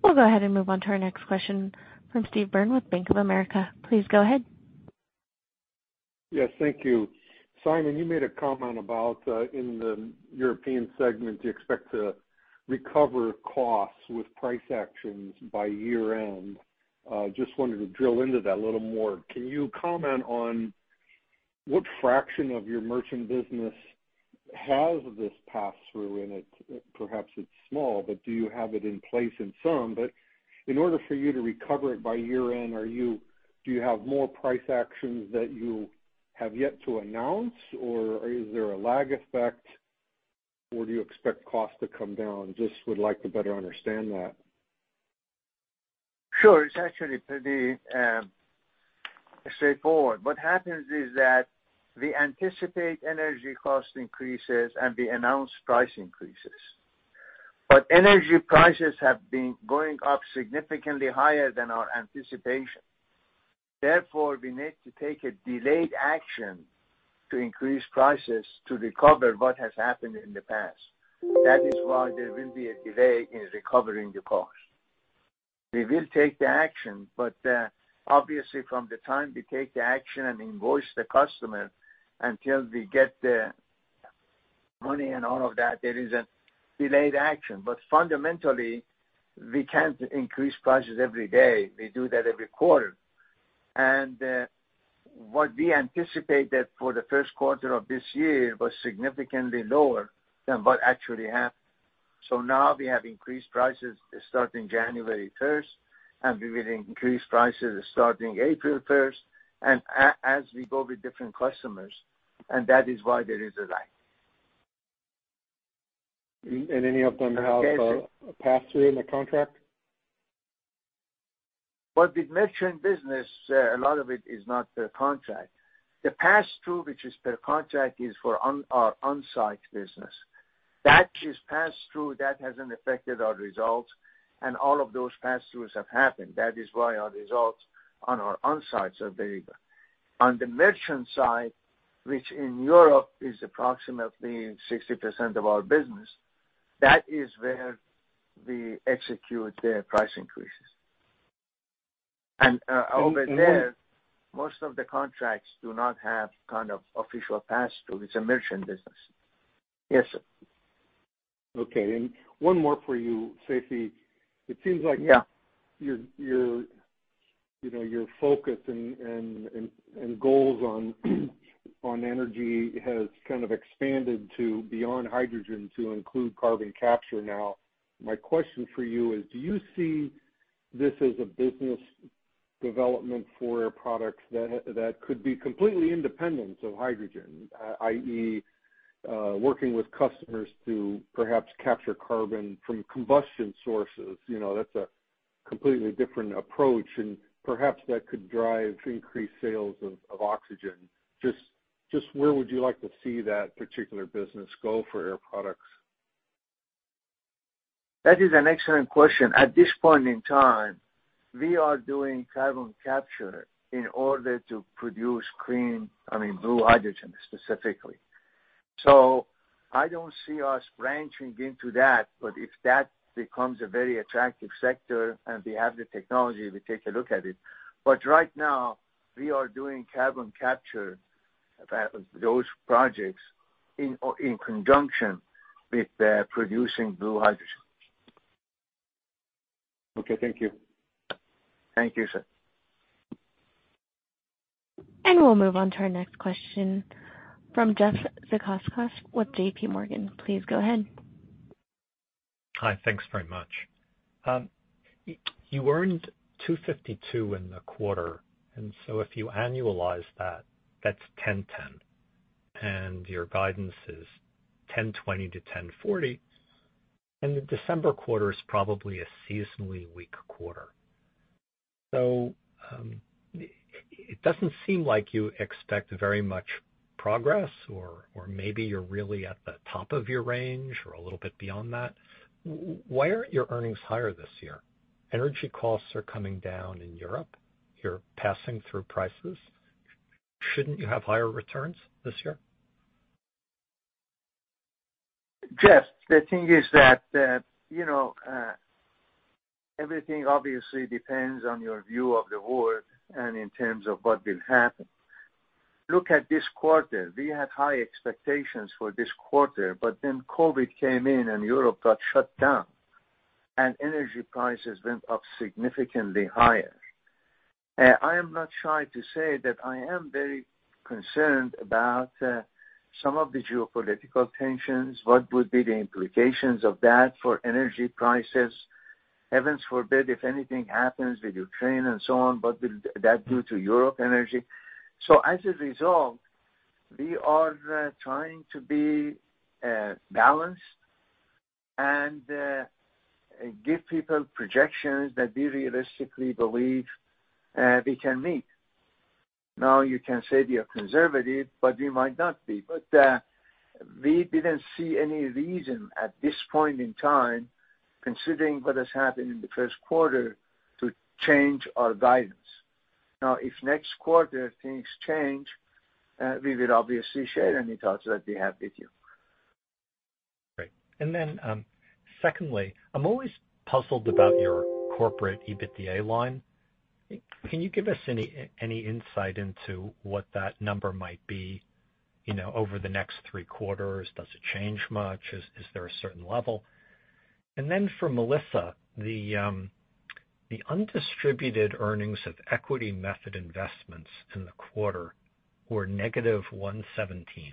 We'll go ahead and move on to our next question from Steve Byrne with Bank of America. Please go ahead. Yes, thank you. Simon, you made a comment about in the European segment, you expect to recover costs with price actions by year-end. Just wanted to drill into that a little more. Can you comment on what fraction of your merchant business has this pass-through? It, perhaps it's small, but do you have it in place in some. In order for you to recover it by year-end, do you have more price actions that you have yet to announce, or is there a lag effect, or do you expect costs to come down. I just would like to better understand that. Sure. It's actually pretty straightforward. What happens is that we anticipate energy cost increases and we announce price increases. Energy prices have been going up significantly higher than our anticipation. Therefore, we need to take a delayed action to increase prices to recover what has happened in the past. That is why there will be a delay in recovering the cost. We will take the action, but obviously from the time we take the action and invoice the customer until we get the money and all of that, there is a delayed action. Fundamentally, we can't increase prices every day. We do that every quarter. What we anticipated for the first quarter of this year was significantly lower than what actually happened. Now we have increased prices starting January first, and we will increase prices starting April first, and as we go with different customers, and that is why there is a lag. Any of them have a pass-through in the contract? Well, with merchant business, a lot of it is not per contract. The pass-through which is per contract is for our on-site business. That is pass-through. That hasn't affected our results, and all of those pass-throughs have happened. That is why our results on our on-sites are very good. On the merchant side, which in Europe is approximately 60% of our business, that is where we execute the price increases. Over there, most of the contracts do not have kind of official pass through. It's a merchant business. Yes, sir. Okay. One more for you, Seifi. Yeah. It seems like your you know your focus and goals on energy has kind of expanded to beyond hydrogen to include carbon capture now. My question for you is do you see this as a business development for Air Products that could be completely independent of hydrogen, i.e., working with customers to perhaps capture carbon from combustion sources? You know, that's a completely different approach, and perhaps that could drive increased sales of oxygen. Just where would you like to see that particular business go for Air Products? That is an excellent question. At this point in time, we are doing carbon capture in order to produce clean, I mean, Blue Hydrogen specifically. I don't see us branching into that. If that becomes a very attractive sector, and we have the technology, we take a look at it. Right now we are doing carbon capture, those projects in conjunction with producing Blue Hydrogen. Okay, thank you. Thank you, sir. We'll move on to our next question from Jeff Zekauskas with J.P. Morgan. Please go ahead. Hi. Thanks very much. You earned $2.52 in the quarter, and so if you annualize that's $10.10. Your guidance is $10.20-$10.40, and the December quarter is probably a seasonally weak quarter. It doesn't seem like you expect very much progress or maybe you're really at the top of your range or a little bit beyond that. Why aren't your earnings higher this year? Energy costs are coming down in Europe. You're passing through prices. Shouldn't you have higher returns this year? Jeff, the thing is that, you know, everything obviously depends on your view of the world and in terms of what will happen. Look at this quarter. We had high expectations for this quarter, but then COVID came in, and Europe got shut down, and energy prices went up significantly higher. I am not shy to say that I am very concerned about some of the geopolitical tensions. What would be the implications of that for energy prices? Heaven forbid, if anything happens with Ukraine and so on, what will that do to European energy? As a result, we are trying to be balanced and give people projections that we realistically believe we can meet. Now, you can say we are conservative, but we might not be. We didn't see any reason at this point in time, considering what has happened in the first quarter, to change our guidance. Now, if next quarter things change, we will obviously share any thoughts that we have with you. Great. Secondly, I'm always puzzled about your corporate EBITDA line. Can you give us any insight into what that number might be, you know, over the next three quarters? Does it change much? Is there a certain level? For Melissa, the undistributed earnings of equity method investments in the quarter were -$117.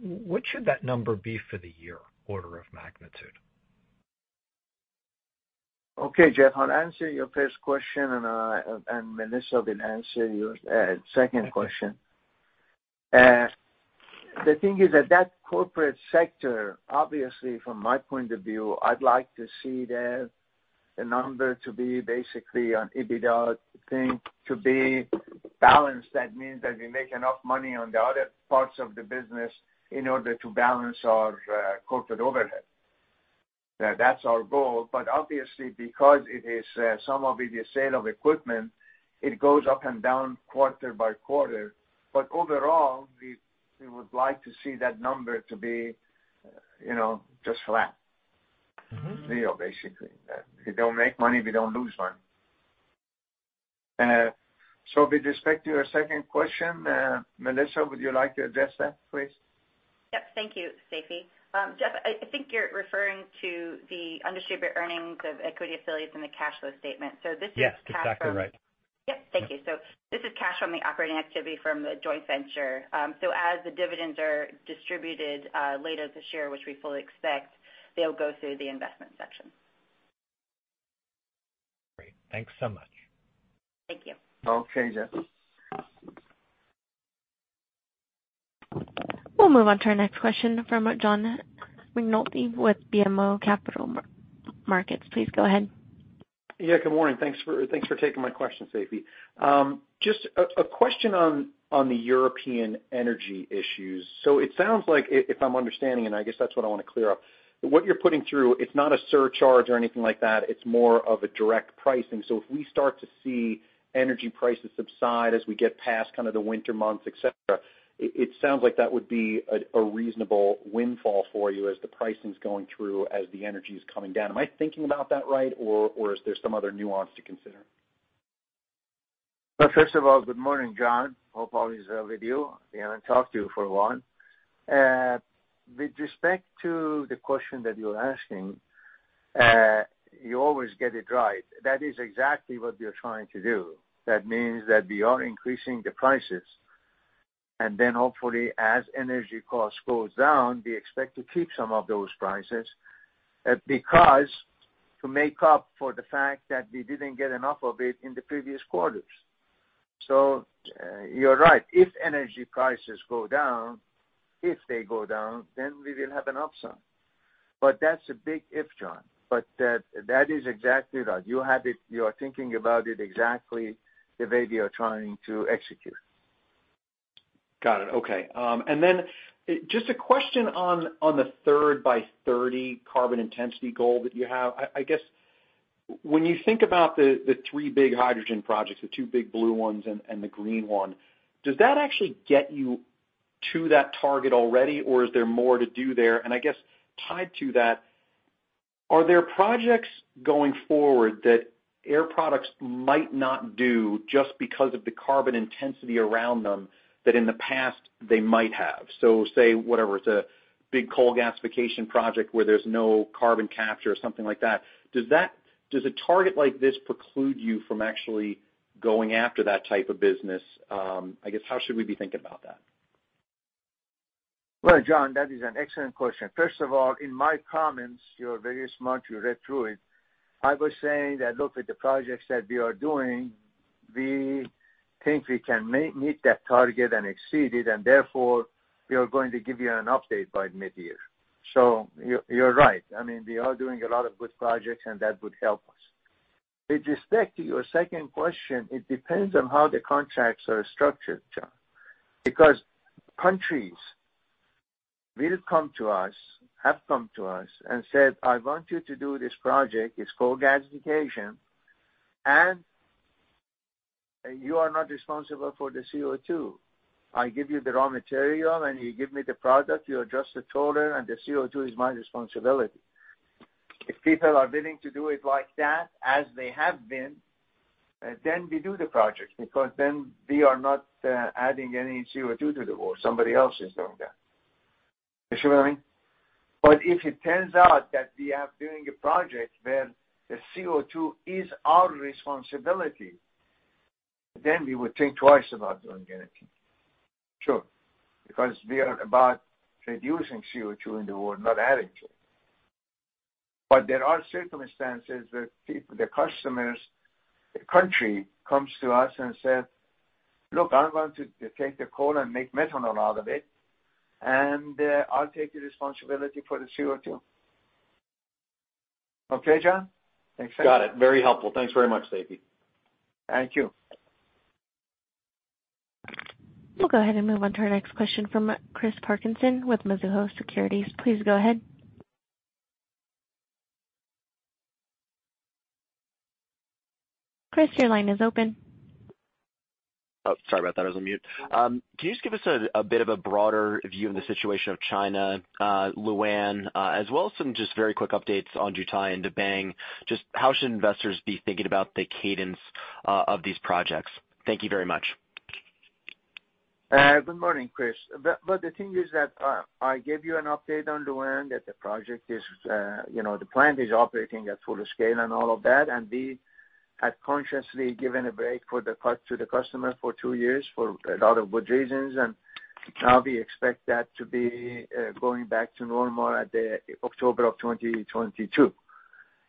What should that number be for the year, order of magnitude? Okay, Jeff, I'll answer your first question, and Melissa will answer your second question. The thing is that corporate sector, obviously from my point of view, I'd like to see the number to be basically on EBITDA thing to be balanced. That means that we make enough money on the other parts of the business in order to balance our corporate overhead. That's our goal. Obviously because it is, some of it is sale of equipment, it goes up and down quarter by quarter. Overall, we would like to see that number to be, you know, just flat. Zero, basically. We don't make money, we don't lose money. With respect to your second question, Melissa, would you like to address that please? Yep. Thank you, Seifi. Jeff, I think you're referring to the undistributed earnings of equity affiliates in the cash flow statement. This is cash from- Yes, exactly right. Yep. Thank you. This is cash from the operating activity from the joint venture. As the dividends are distributed, later this year, which we fully expect, they'll go through the investment section. Great. Thanks so much. Thank you. Okay, Jeff. We'll move on to our next question from John McNulty with BMO Capital Markets. Please go ahead. Yeah, good morning. Thanks for taking my question, Seifi. Just a question on the European energy issues. It sounds like if I'm understanding, and I guess that's what I wanna clear up. What you're putting through, it's not a surcharge or anything like that, it's more of a direct pricing. If we start to see energy prices subside as we get past kind of the winter months, et cetera, it sounds like that would be a reasonable windfall for you as the pricing's going through, as the energy is coming down. Am I thinking about that right, or is there some other nuance to consider? Well, first of all, good morning, John. Hope all is well with you. I haven't talked to you for a while. With respect to the question that you're asking, you always get it right. That is exactly what we are trying to do. That means that we are increasing the prices. Then hopefully, as energy costs goes down, we expect to keep some of those prices, because to make up for the fact that we didn't get enough of it in the previous quarters. You're right. If energy prices go down, then we will have an upside. But that's a big if, John. But that is exactly right. You had it. You are thinking about it exactly the way we are trying to execute. Got it. Okay. Just a question on the Third by '30 carbon intensity goal that you have. I guess when you think about the three big hydrogen projects, the two big blue ones and the green one, does that actually get you to that target already, or is there more to do there? I guess tied to that, are there projects going forward that Air Products might not do just because of the carbon intensity around them that in the past they might have? Say, whatever, it's a big coal gasification project where there's no carbon capture or something like that. Does a target like this preclude you from actually going after that type of business? I guess how should we be thinking about that? Well, John, that is an excellent question. First of all, in my comments, you're very smart, you read through it. I was saying that, look, with the projects that we are doing, we think we can meet that target and exceed it, and therefore, we are going to give you an update by mid-year. You're right. I mean, we are doing a lot of good projects, and that would help us. With respect to your second question, it depends on how the contracts are structured, John. Because countries will come to us, have come to us and said, "I want you to do this project, it's coal gasification, and you are not responsible for the CO₂. I give you the raw material, and you give me the product. You are just a toll taker, and the CO₂ is my responsibility." If people are willing to do it like that, as they have been, then we do the project because then we are not adding any CO₂ to the world. Somebody else is doing that. You see what I mean? If it turns out that we are doing a project where the CO₂ is our responsibility, then we would think twice about doing anything. Sure. Because we are about reducing CO₂ in the world, not adding to it. There are circumstances where people, the customers, the country comes to us and said, "Look, I want to take the coal and make methanol out of it, and I'll take the responsibility for the CO₂." Okay, John? Makes sense? Got it. Very helpful. Thanks very much, Seifi. Thank you. We'll go ahead and move on to our next question from Christopher Parkinson with Mizuho Securities. Please go ahead. Chris, your line is open. Can you just give us a bit of a broader view of the situation of China, Lu'an, as well as some just very quick updates on Jiutai and Debang? Just how should investors be thinking about the cadence of these projects? Thank you very much. Good morning, Chris. The thing is that I gave you an update on Lu'an, that the project is, you know, the plant is operating at full scale and all of that. We had consciously given a break to the customer for two years for a lot of good reasons. Now we expect that to be going back to normal in October 2022.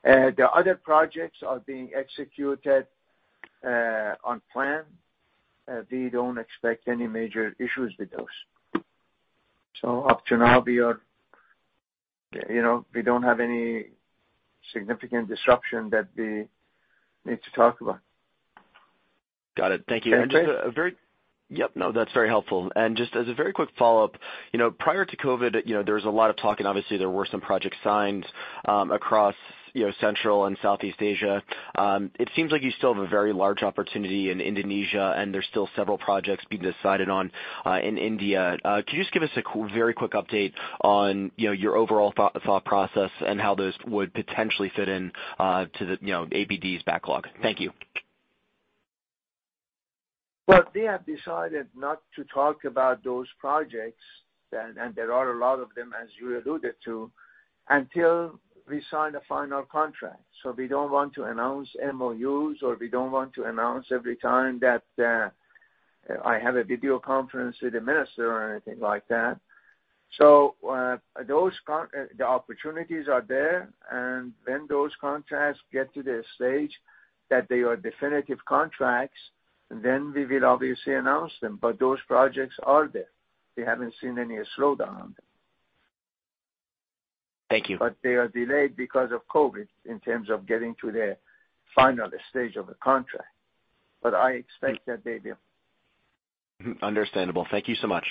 The other projects are being executed on plan. We don't expect any major issues with those. Up to now, we are, you know, we don't have any significant disruption that we need to talk about. Got it. Thank you. Okay. That's very helpful. Just as a very quick follow-up, you know, prior to COVID, you know, there was a lot of talk, and obviously, there were some projects signed across, you know, Central and Southeast Asia. It seems like you still have a very large opportunity in Indonesia, and there's still several projects being decided on in India. Can you just give us a very quick update on, you know, your overall thought process and how those would potentially fit in to the, you know, APD's backlog? Thank you. Well, we have decided not to talk about those projects, and there are a lot of them, as you alluded to, until we sign a final contract. We don't want to announce MOUs, or we don't want to announce every time that I have a video conference with the minister or anything like that. The opportunities are there. When those contracts get to the stage that they are definitive contracts, then we will obviously announce them. Those projects are there. We haven't seen any slowdown on them. Thank you. They are delayed because of COVID in terms of getting to the final stage of the contract. I expect that they will. Understandable. Thank you so much.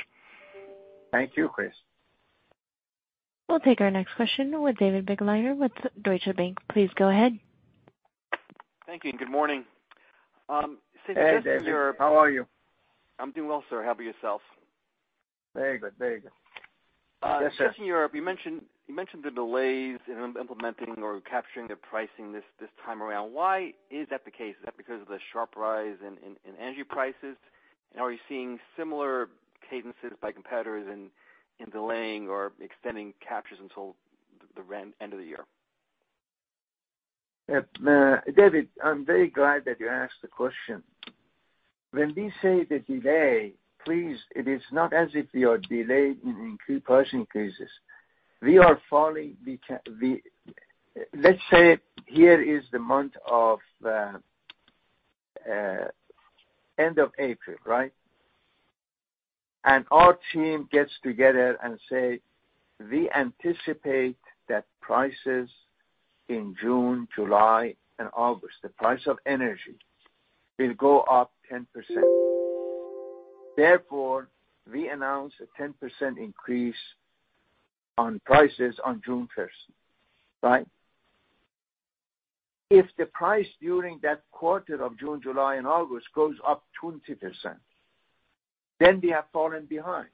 Thank you, Chris. We'll take our next question with David Begleiter with Deutsche Bank. Please go ahead. Thank you, and good morning. Seifi- Hey, David. How are you? I'm doing well, sir. How about yourself? Very good. Very good. Central Europe, you mentioned the delays in implementing or capturing the pricing this time around. Why is that the case? Is that because of the sharp rise in energy prices? Are you seeing similar cadences by competitors in delaying or extending captures until the very end of the year? David, I'm very glad that you asked the question. When we say the delay, please, it is not as if we are delayed in price increases. We are falling behind. Let's say end of April, right? Our team gets together and say, "We anticipate that prices in June, July and August, the price of energy will go up 10%." Therefore, we announce a 10% increase on prices on June first, right? If the price during that quarter of June, July and August goes up 20%, then we have fallen behind.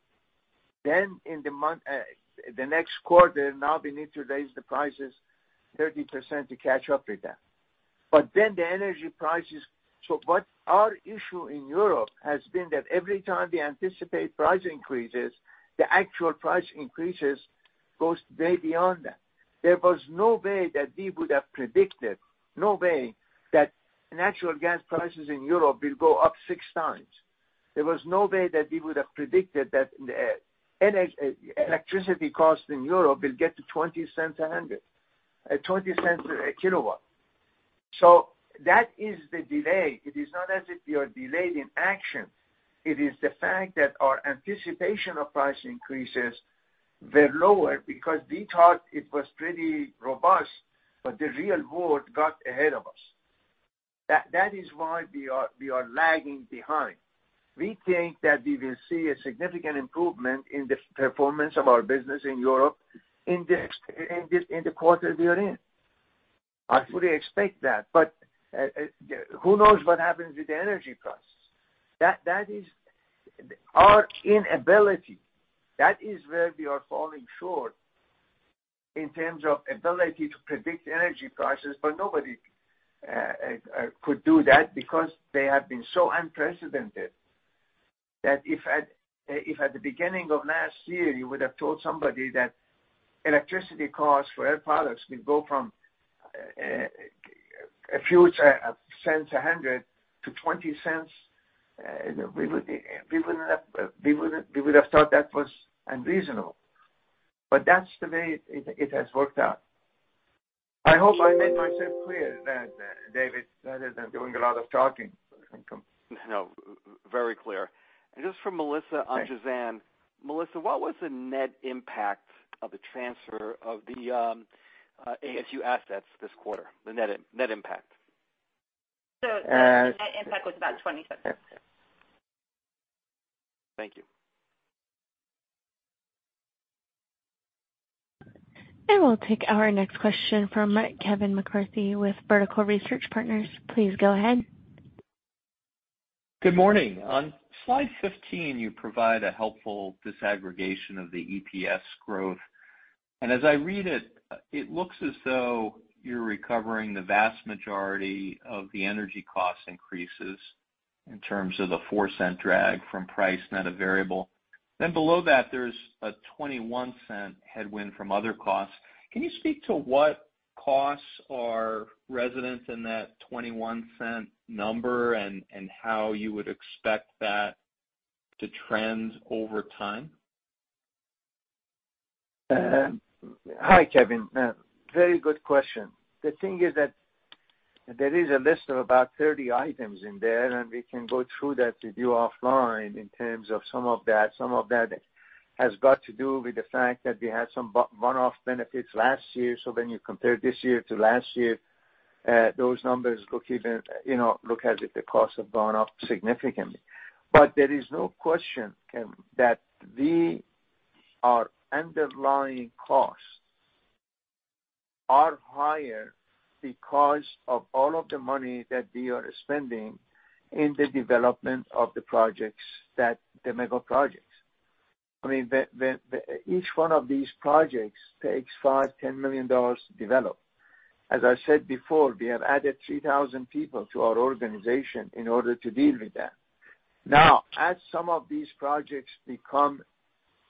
In the month, the next quarter, now we need to raise the prices 30% to catch up with that. The energy prices... What our issue in Europe has been that every time we anticipate price increases, the actual price increases goes way beyond that. There was no way that we would have predicted, no way that natural gas prices in Europe will go up six times. There was no way that we would have predicted that, electricity costs in Europe will get to $0.20 a hundred. $0.20 a kilowatt. That is the delay. It is not as if we are delayed in action. It is the fact that our anticipation of price increases were lower because we thought it was pretty robust, but the real world got ahead of us. That is why we are lagging behind. We think that we will see a significant improvement in the performance of our business in Europe in this, in the quarter we are in. I fully expect that. Who knows what happens with the energy prices. That is our inability. That is where we are falling short in terms of ability to predict energy prices. Nobody could do that because they have been so unprecedented that if at the beginning of last year you would have told somebody that electricity costs for Air Products will go from a few cents a hundred to $0.20, we wouldn't have thought that was unreasonable. That's the way it has worked out. I hope I made myself clear, David, rather than doing a lot of talking. No, very clear. Just for Melissa on Jazan. Melissa, what was the net impact of the transfer of the ASU assets this quarter? The net impact. The net impact was about $0.20. Thank you. We'll take our next question from Kevin McCarthy with Vertical Research Partners. Please go ahead. Good morning. On slide 15, you provide a helpful disaggregation of the EPS growth. As I read it looks as though you're recovering the vast majority of the energy cost increases in terms of the $0.04 drag from price net of variable. Then below that, there's a $0.21 headwind from other costs. Can you speak to what costs are resident in that $0.21 number and how you would expect that to trend over time? Hi, Kevin. Very good question. The thing is that there is a list of about 30 items in there, and we can go through that with you offline in terms of some of that. Some of that has got to do with the fact that we had some one-off benefits last year. When you compare this year to last year, those numbers look even, you know, look as if the costs have gone up significantly. There is no question, Kevin, that we, our underlying costs are higher because of all of the money that we are spending in the development of the mega projects. I mean, the. Each one of these projects takes $5-$10 million to develop. As I said before, we have added 3,000 people to our organization in order to deal with that. As some of these projects become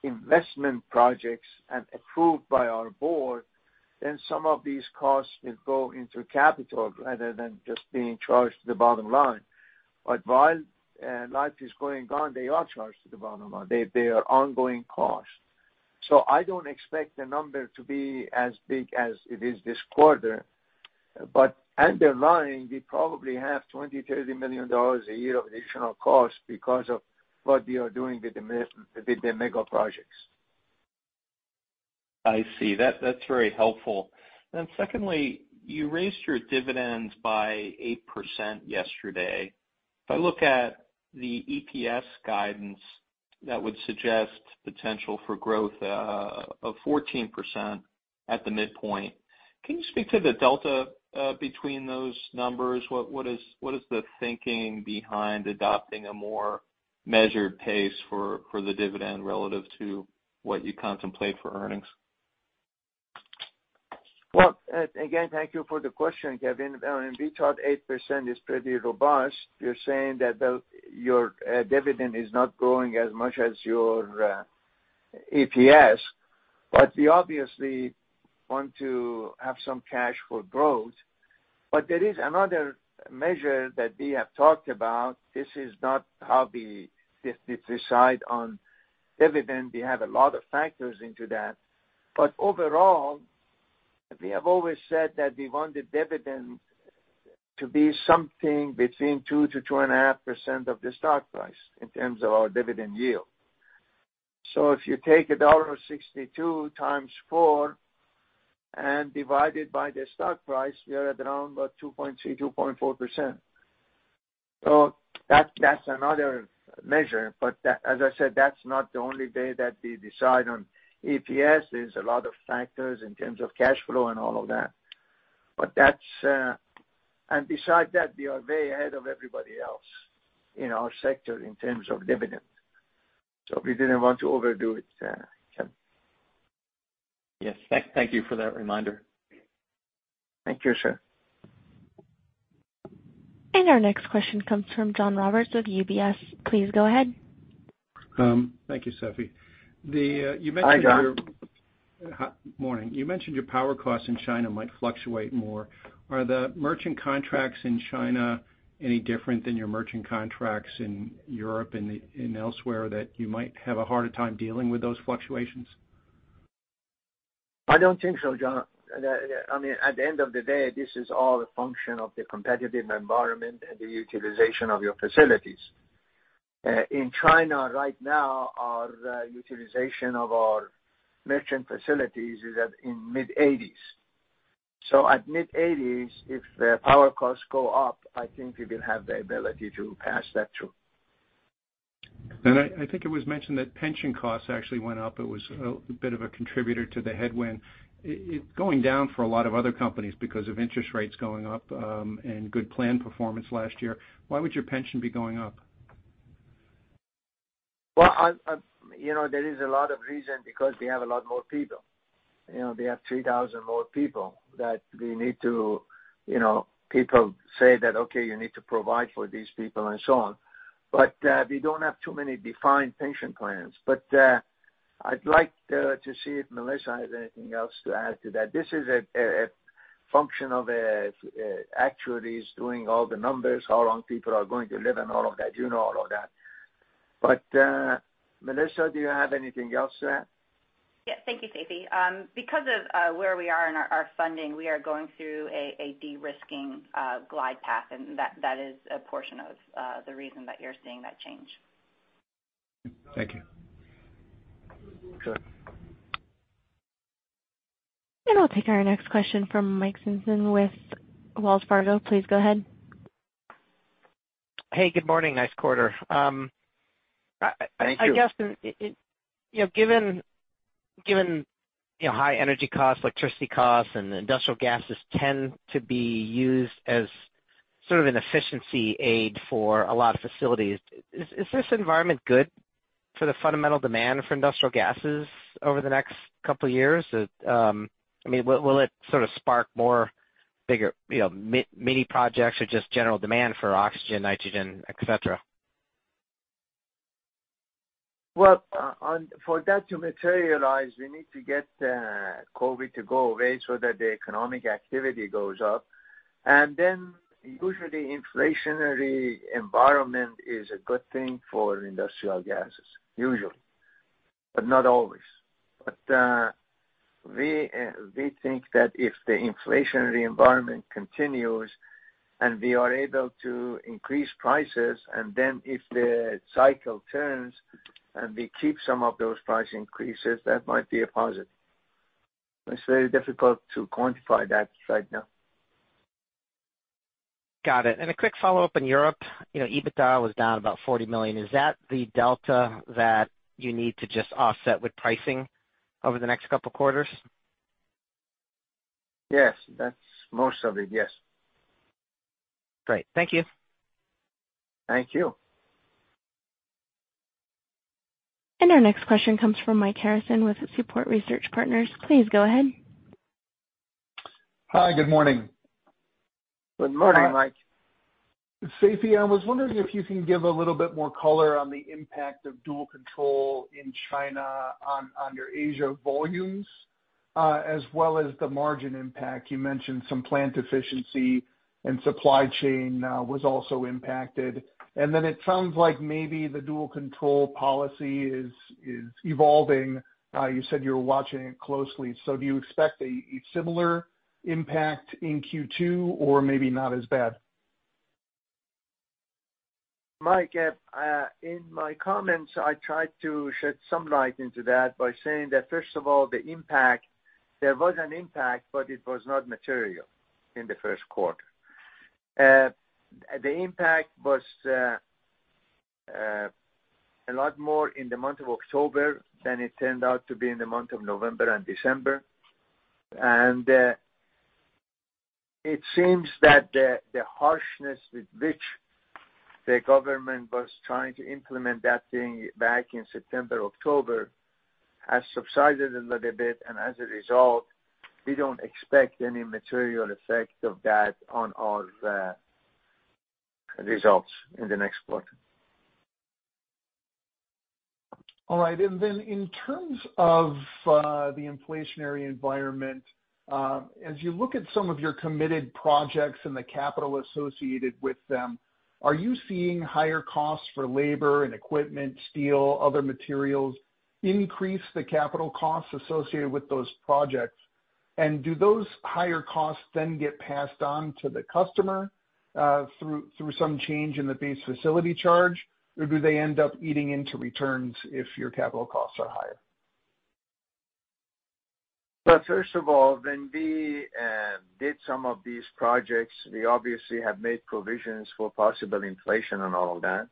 investment projects and approved by our board, then some of these costs will go into capital rather than just being charged to the bottom line. While life is going on, they are charged to the bottom line. They are ongoing costs. I don't expect the number to be as big as it is this quarter. Underlying, we probably have $20-$30 million a year of additional cost because of what we are doing with the mega projects. I see. That's very helpful. Secondly, you raised your dividends by 8% yesterday. If I look at the EPS guidance, that would suggest potential for growth of 14% at the midpoint. Can you speak to the delta between those numbers? What is the thinking behind adopting a more measured pace for the dividend relative to what you contemplate for earnings? Well, again, thank you for the question, Kevin. We thought 8% is pretty robust. You're saying that your dividend is not growing as much as your EPS, but we obviously want to have some cash for growth. There is another measure that we have talked about. This is not how we decide on dividend. We take a lot of factors into that. Overall, we have always said that we want the dividend to be something between 2%-2.5% of the stock price in terms of our dividend yield. If you take $1.62 × 4 and divide it by the stock price, we are at around about 2.3, 2.4%. That's another measure. That, as I said, that's not the only way that we decide on EPS. There's a lot of factors in terms of cash flow and all of that. That's. Besides that, we are way ahead of everybody else in our sector in terms of dividends. We didn't want to overdo it, Kevin. Yes. Thank you for that reminder. Thank you, sir. Our next question comes from John Roberts with UBS. Please go ahead. Thank you, Seifi. You mentioned your- Hi, John. Hi. Morning. You mentioned your power costs in China might fluctuate more. Are the merchant contracts in China any different than your merchant contracts in Europe and elsewhere that you might have a harder time dealing with those fluctuations? I don't think so, John. I mean, at the end of the day, this is all a function of the competitive environment and the utilization of your facilities. In China right now, our utilization of our merchant facilities is in the mid-80s%. At mid-80s%, if the power costs go up, I think we will have the ability to pass that through. I think it was mentioned that pension costs actually went up. It was a bit of a contributor to the headwind. It's going down for a lot of other companies because of interest rates going up, and good plan performance last year. Why would your pension be going up? Well, you know, there is a lot of reason because we have a lot more people. You know, we have 3,000 more people that we need to, you know, people say that, "Okay, you need to provide for these people," and so on. We don't have too many defined pension plans. I'd like to see if Melissa has anything else to add to that. This is a function of actuaries doing all the numbers, how long people are going to live, and all of that. You know all of that. Melissa, do you have anything else to add? Yes. Thank you, Seifi. Because of where we are in our funding, we are going through a de-risking glide path, and that is a portion of the reason that you're seeing that change. Thank you. Sure. I'll take our next question from Mike Sison with Wells Fargo. Please go ahead. Hey, good morning. Nice quarter. Thank you. I guess, you know, given you know, high energy costs, electricity costs, and industrial gases tend to be used as sort of an efficiency aid for a lot of facilities, is this environment good for the fundamental demand for industrial gases over the next couple years? I mean, will it sort of spark more bigger, you know, mini projects or just general demand for oxygen, nitrogen, et cetera? Well, for that to materialize, we need to get COVID to go away so that the economic activity goes up. Usually inflationary environment is a good thing for industrial gases, usually, but not always. We think that if the inflationary environment continues and we are able to increase prices and then if the cycle turns and we keep some of those price increases, that might be a positive. It's very difficult to quantify that right now. Got it. A quick follow-up on Europe. You know, EBITDA was down about $40 million. Is that the delta that you need to just offset with pricing over the next couple quarters? Yes, that's most of it. Yes. Great. Thank you. Thank you. Our next question comes from Michael Harrison with Seaport Research Partners. Please go ahead. Hi, good morning. Good morning, Mike. Seifi, I was wondering if you can give a little bit more color on the impact of dual control in China on your Asia volumes, as well as the margin impact. You mentioned some plant efficiency and supply chain was also impacted. It sounds like maybe the dual control policy is evolving. You said you were watching it closely. Do you expect a similar impact in Q2 or maybe not as bad? Mike, in my comments, I tried to shed some light into that by saying that first of all, the impact, there was an impact, but it was not material in the first quarter. The impact was a lot more in the month of October than it turned out to be in the month of November and December. It seems that the harshness with which the government was trying to implement that thing back in September, October, has subsided a little bit. As a result, we don't expect any material effect of that on our results in the next quarter. All right. Then in terms of the inflationary environment, as you look at some of your committed projects and the capital associated with them, are you seeing higher costs for labor and equipment, steel, other materials, increase the capital costs associated with those projects? Do those higher costs then get passed on to the customer through some change in the base facility charge, or do they end up eating into returns if your capital costs are higher? Well, first of all, when we did some of these projects, we obviously have made provisions for possible inflation and all of that.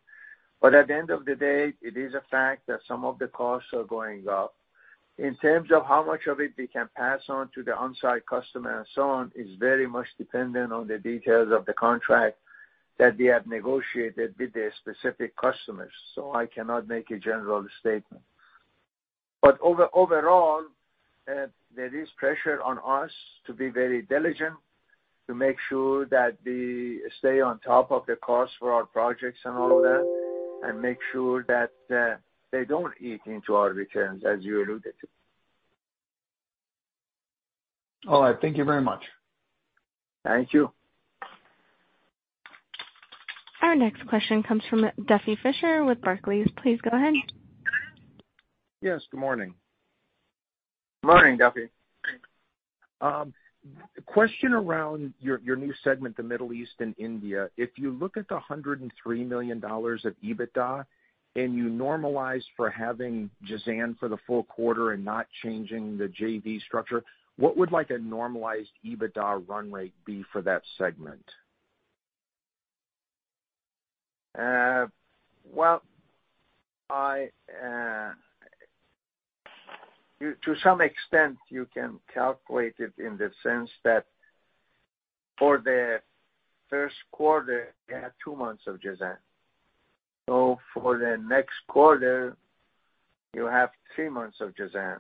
At the end of the day, it is a fact that some of the costs are going up. In terms of how much of it we can pass on to the on-site customer and so on is very much dependent on the details of the contract that we have negotiated with the specific customers. I cannot make a general statement. Overall, there is pressure on us to be very diligent to make sure that we stay on top of the costs for our projects and all that, and make sure that they don't eat into our returns, as you alluded to. All right. Thank you very much. Thank you. Our next question comes from Duffy Fischer with Barclays. Please go ahead. Yes, good morning. Morning, Duffy. Question around your new segment, the Middle East and India. If you look at the $103 million of EBITDA, and you normalize for having Jazan for the full quarter and not changing the JV structure, what would, like, a normalized EBITDA run rate be for that segment? To some extent, you can calculate it in the sense that for the first quarter, we had two months of Jazan. For the next quarter, you have three months of Jazan.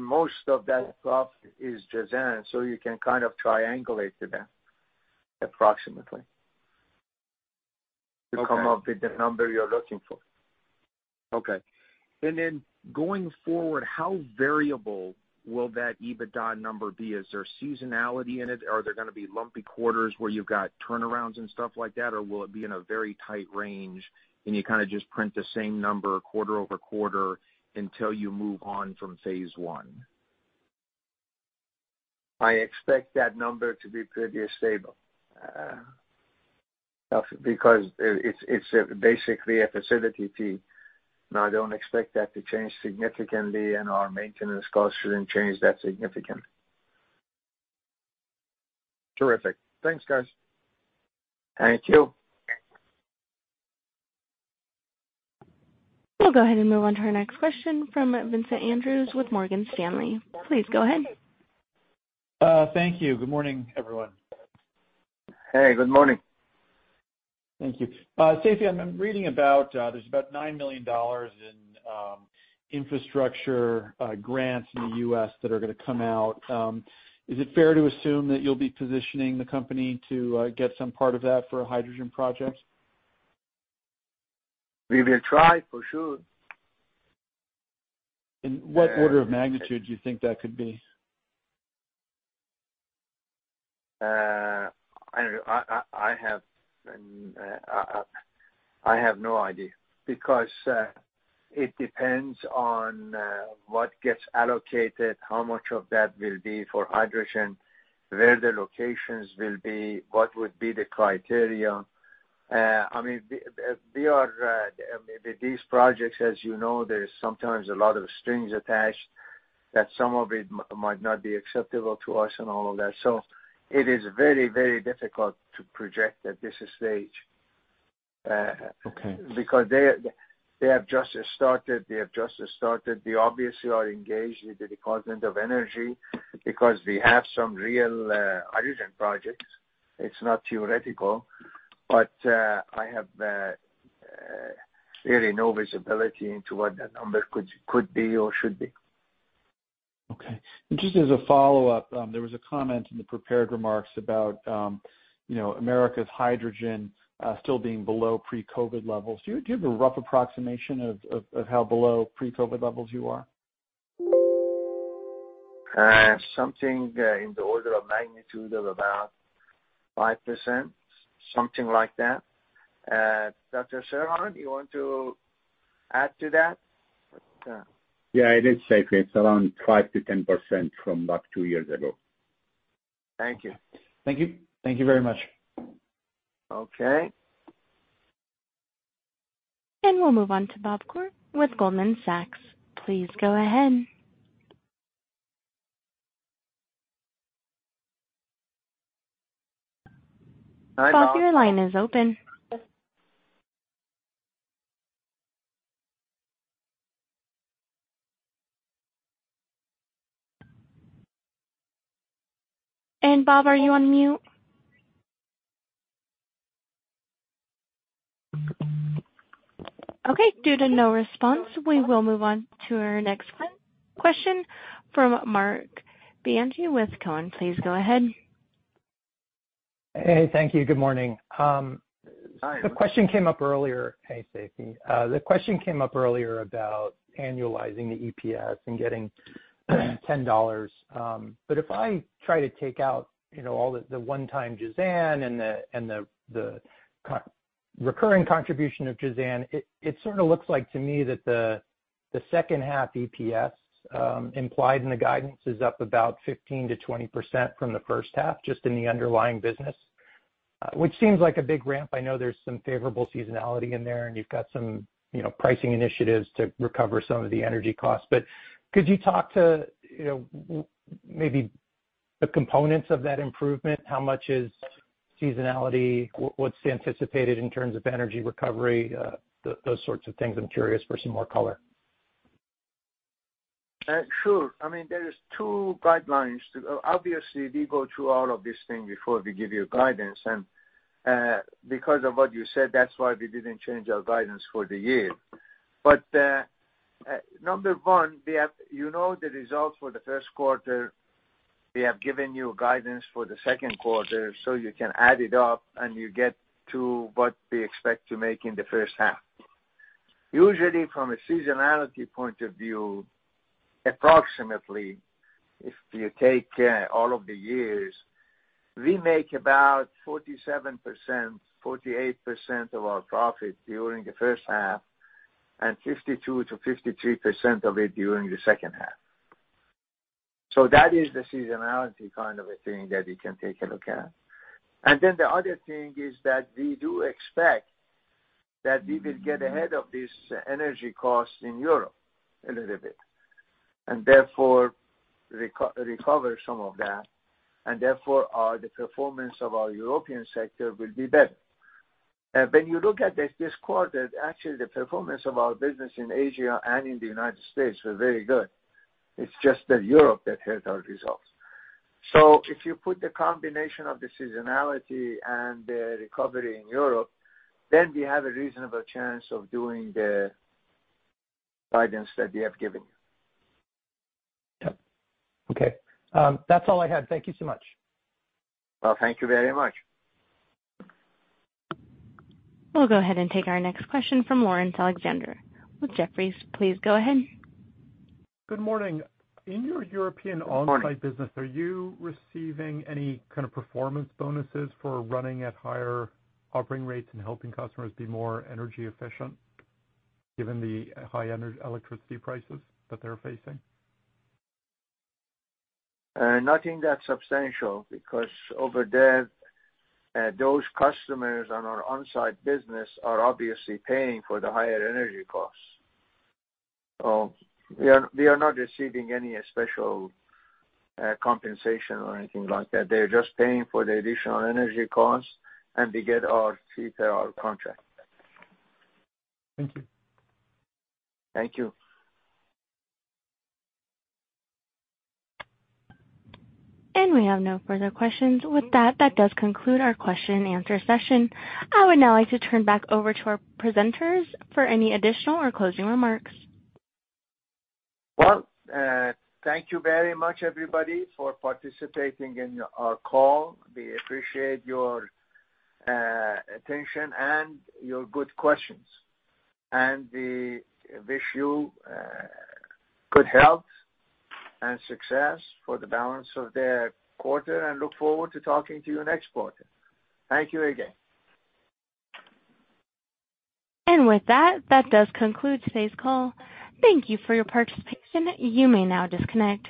Most of that drop is Jazan, so you can kind of triangulate to that approximately. Okay. To come up with the number you're looking for. Okay. Going forward, how variable will that EBITDA number be? Is there seasonality in it? Are there gonna be lumpy quarters where you've got turnarounds and stuff like that? Or will it be in a very tight range, and you kinda just print the same number quarter-over-quarter until you move on from phase I? I expect that number to be pretty stable, because it's basically a facility fee, and I don't expect that to change significantly, and our maintenance costs shouldn't change that significantly. Terrific. Thanks, guys. Thank you. We'll go ahead and move on to our next question from Vincent Andrews with Morgan Stanley. Please go ahead. Thank you. Good morning, everyone. Hey, good morning. Thank you. Seifi, I'm reading about there's about $9 million in infrastructure grants in the U.S. that are gonna come out. Is it fair to assume that you'll be positioning the company to get some part of that for a hydrogen project? We will try, for sure. What order of magnitude do you think that could be? I have no idea because it depends on what gets allocated, how much of that will be for hydrogen, where the locations will be, what would be the criteria. I mean, we are with these projects, as you know, there's sometimes a lot of strings attached, that some of it might not be acceptable to us and all of that. It is very, very difficult to project at this stage because they have just started. We obviously are engaged with the Department of Energy because we have some real hydrogen projects. It's not theoretical. I have really no visibility into what that number could be or should be. Okay. Just as a follow-up, there was a comment in the prepared remarks about, you know, America's hydrogen still being below pre-COVID levels. Do you have a rough approximation of how below pre-COVID levels you are? Something in the order of magnitude of about 5%, something like that. Dr. Serhan, do you want to add to that? Yeah, it is safe. It's around 5%-10% from about two years ago. Thank you. Thank you. Thank you very much. Okay. We'll move on to Bob Koort with Goldman Sachs. Please go ahead. Bob, your line is open. Bob, are you on mute? Okay, due to no response, we will move on to our next question from Marc Bianchi with Cowen. Please go ahead. Hey, thank you. Good morning. The question came up earlier. Hey, Seifi. The question came up earlier about annualizing the EPS and getting $10. If I try to take out, you know, all the one-time Jazan and the non-recurring contribution of Jazan, it sort of looks like to me that the second half EPS implied in the guidance is up about 15%-20% from the first half, just in the underlying business, which seems like a big ramp. I know there's some favorable seasonality in there, and you've got some, you know, pricing initiatives to recover some of the energy costs. Could you talk to, you know, maybe the components of that improvement? How much is seasonality? What's anticipated in terms of energy recovery? Those sorts of things. I'm curious for some more color. Sure. I mean, there is two guidelines. Obviously, we go through all of these things before we give you guidance. Number one, you know the results for the first quarter. We have given you guidance for the second quarter, so you can add it up and you get to what we expect to make in the first half. Usually, from a seasonality point of view, approximately, if you take all of the years, we make about 47%, 48% of our profit during the first half and 52%-53% of it during the second half. That is the seasonality kind of a thing that you can take a look at. The other thing is that we do expect that we will get ahead of these energy costs in Europe a little bit, and therefore recover some of that, and therefore our the performance of our European sector will be better. When you look at this quarter, actually the performance of our business in Asia and in the United States were very good. It's just that Europe that hurt our results. If you put the combination of the seasonality and the recovery in Europe, then we have a reasonable chance of doing the guidance that we have given you. Yeah. Okay. That's all I had. Thank you so much. Well, thank you very much. We'll go ahead and take our next question from Laurence Alexander with Jefferies. Please go ahead. Good morning. In your European. Good morning. Onsite business, are you receiving any kind of performance bonuses for running at higher operating rates and helping customers be more energy efficient, given the high electricity prices that they're facing? Nothing that substantial, because over there, those customers on our onsite business are obviously paying for the higher energy costs. We are not receiving any special compensation or anything like that. They're just paying for the additional energy costs, and we get our fee per our contract. Thank you. Thank you. We have no further questions. With that does conclude our question and answer session. I would now like to turn back over to our presenters for any additional or closing remarks. Well, thank you very much, everybody, for participating in our call. We appreciate your attention and your good questions. We wish you good health and success for the balance of the quarter and look forward to talking to you next quarter. Thank you again. With that does conclude today's call. Thank you for your participation. You may now disconnect.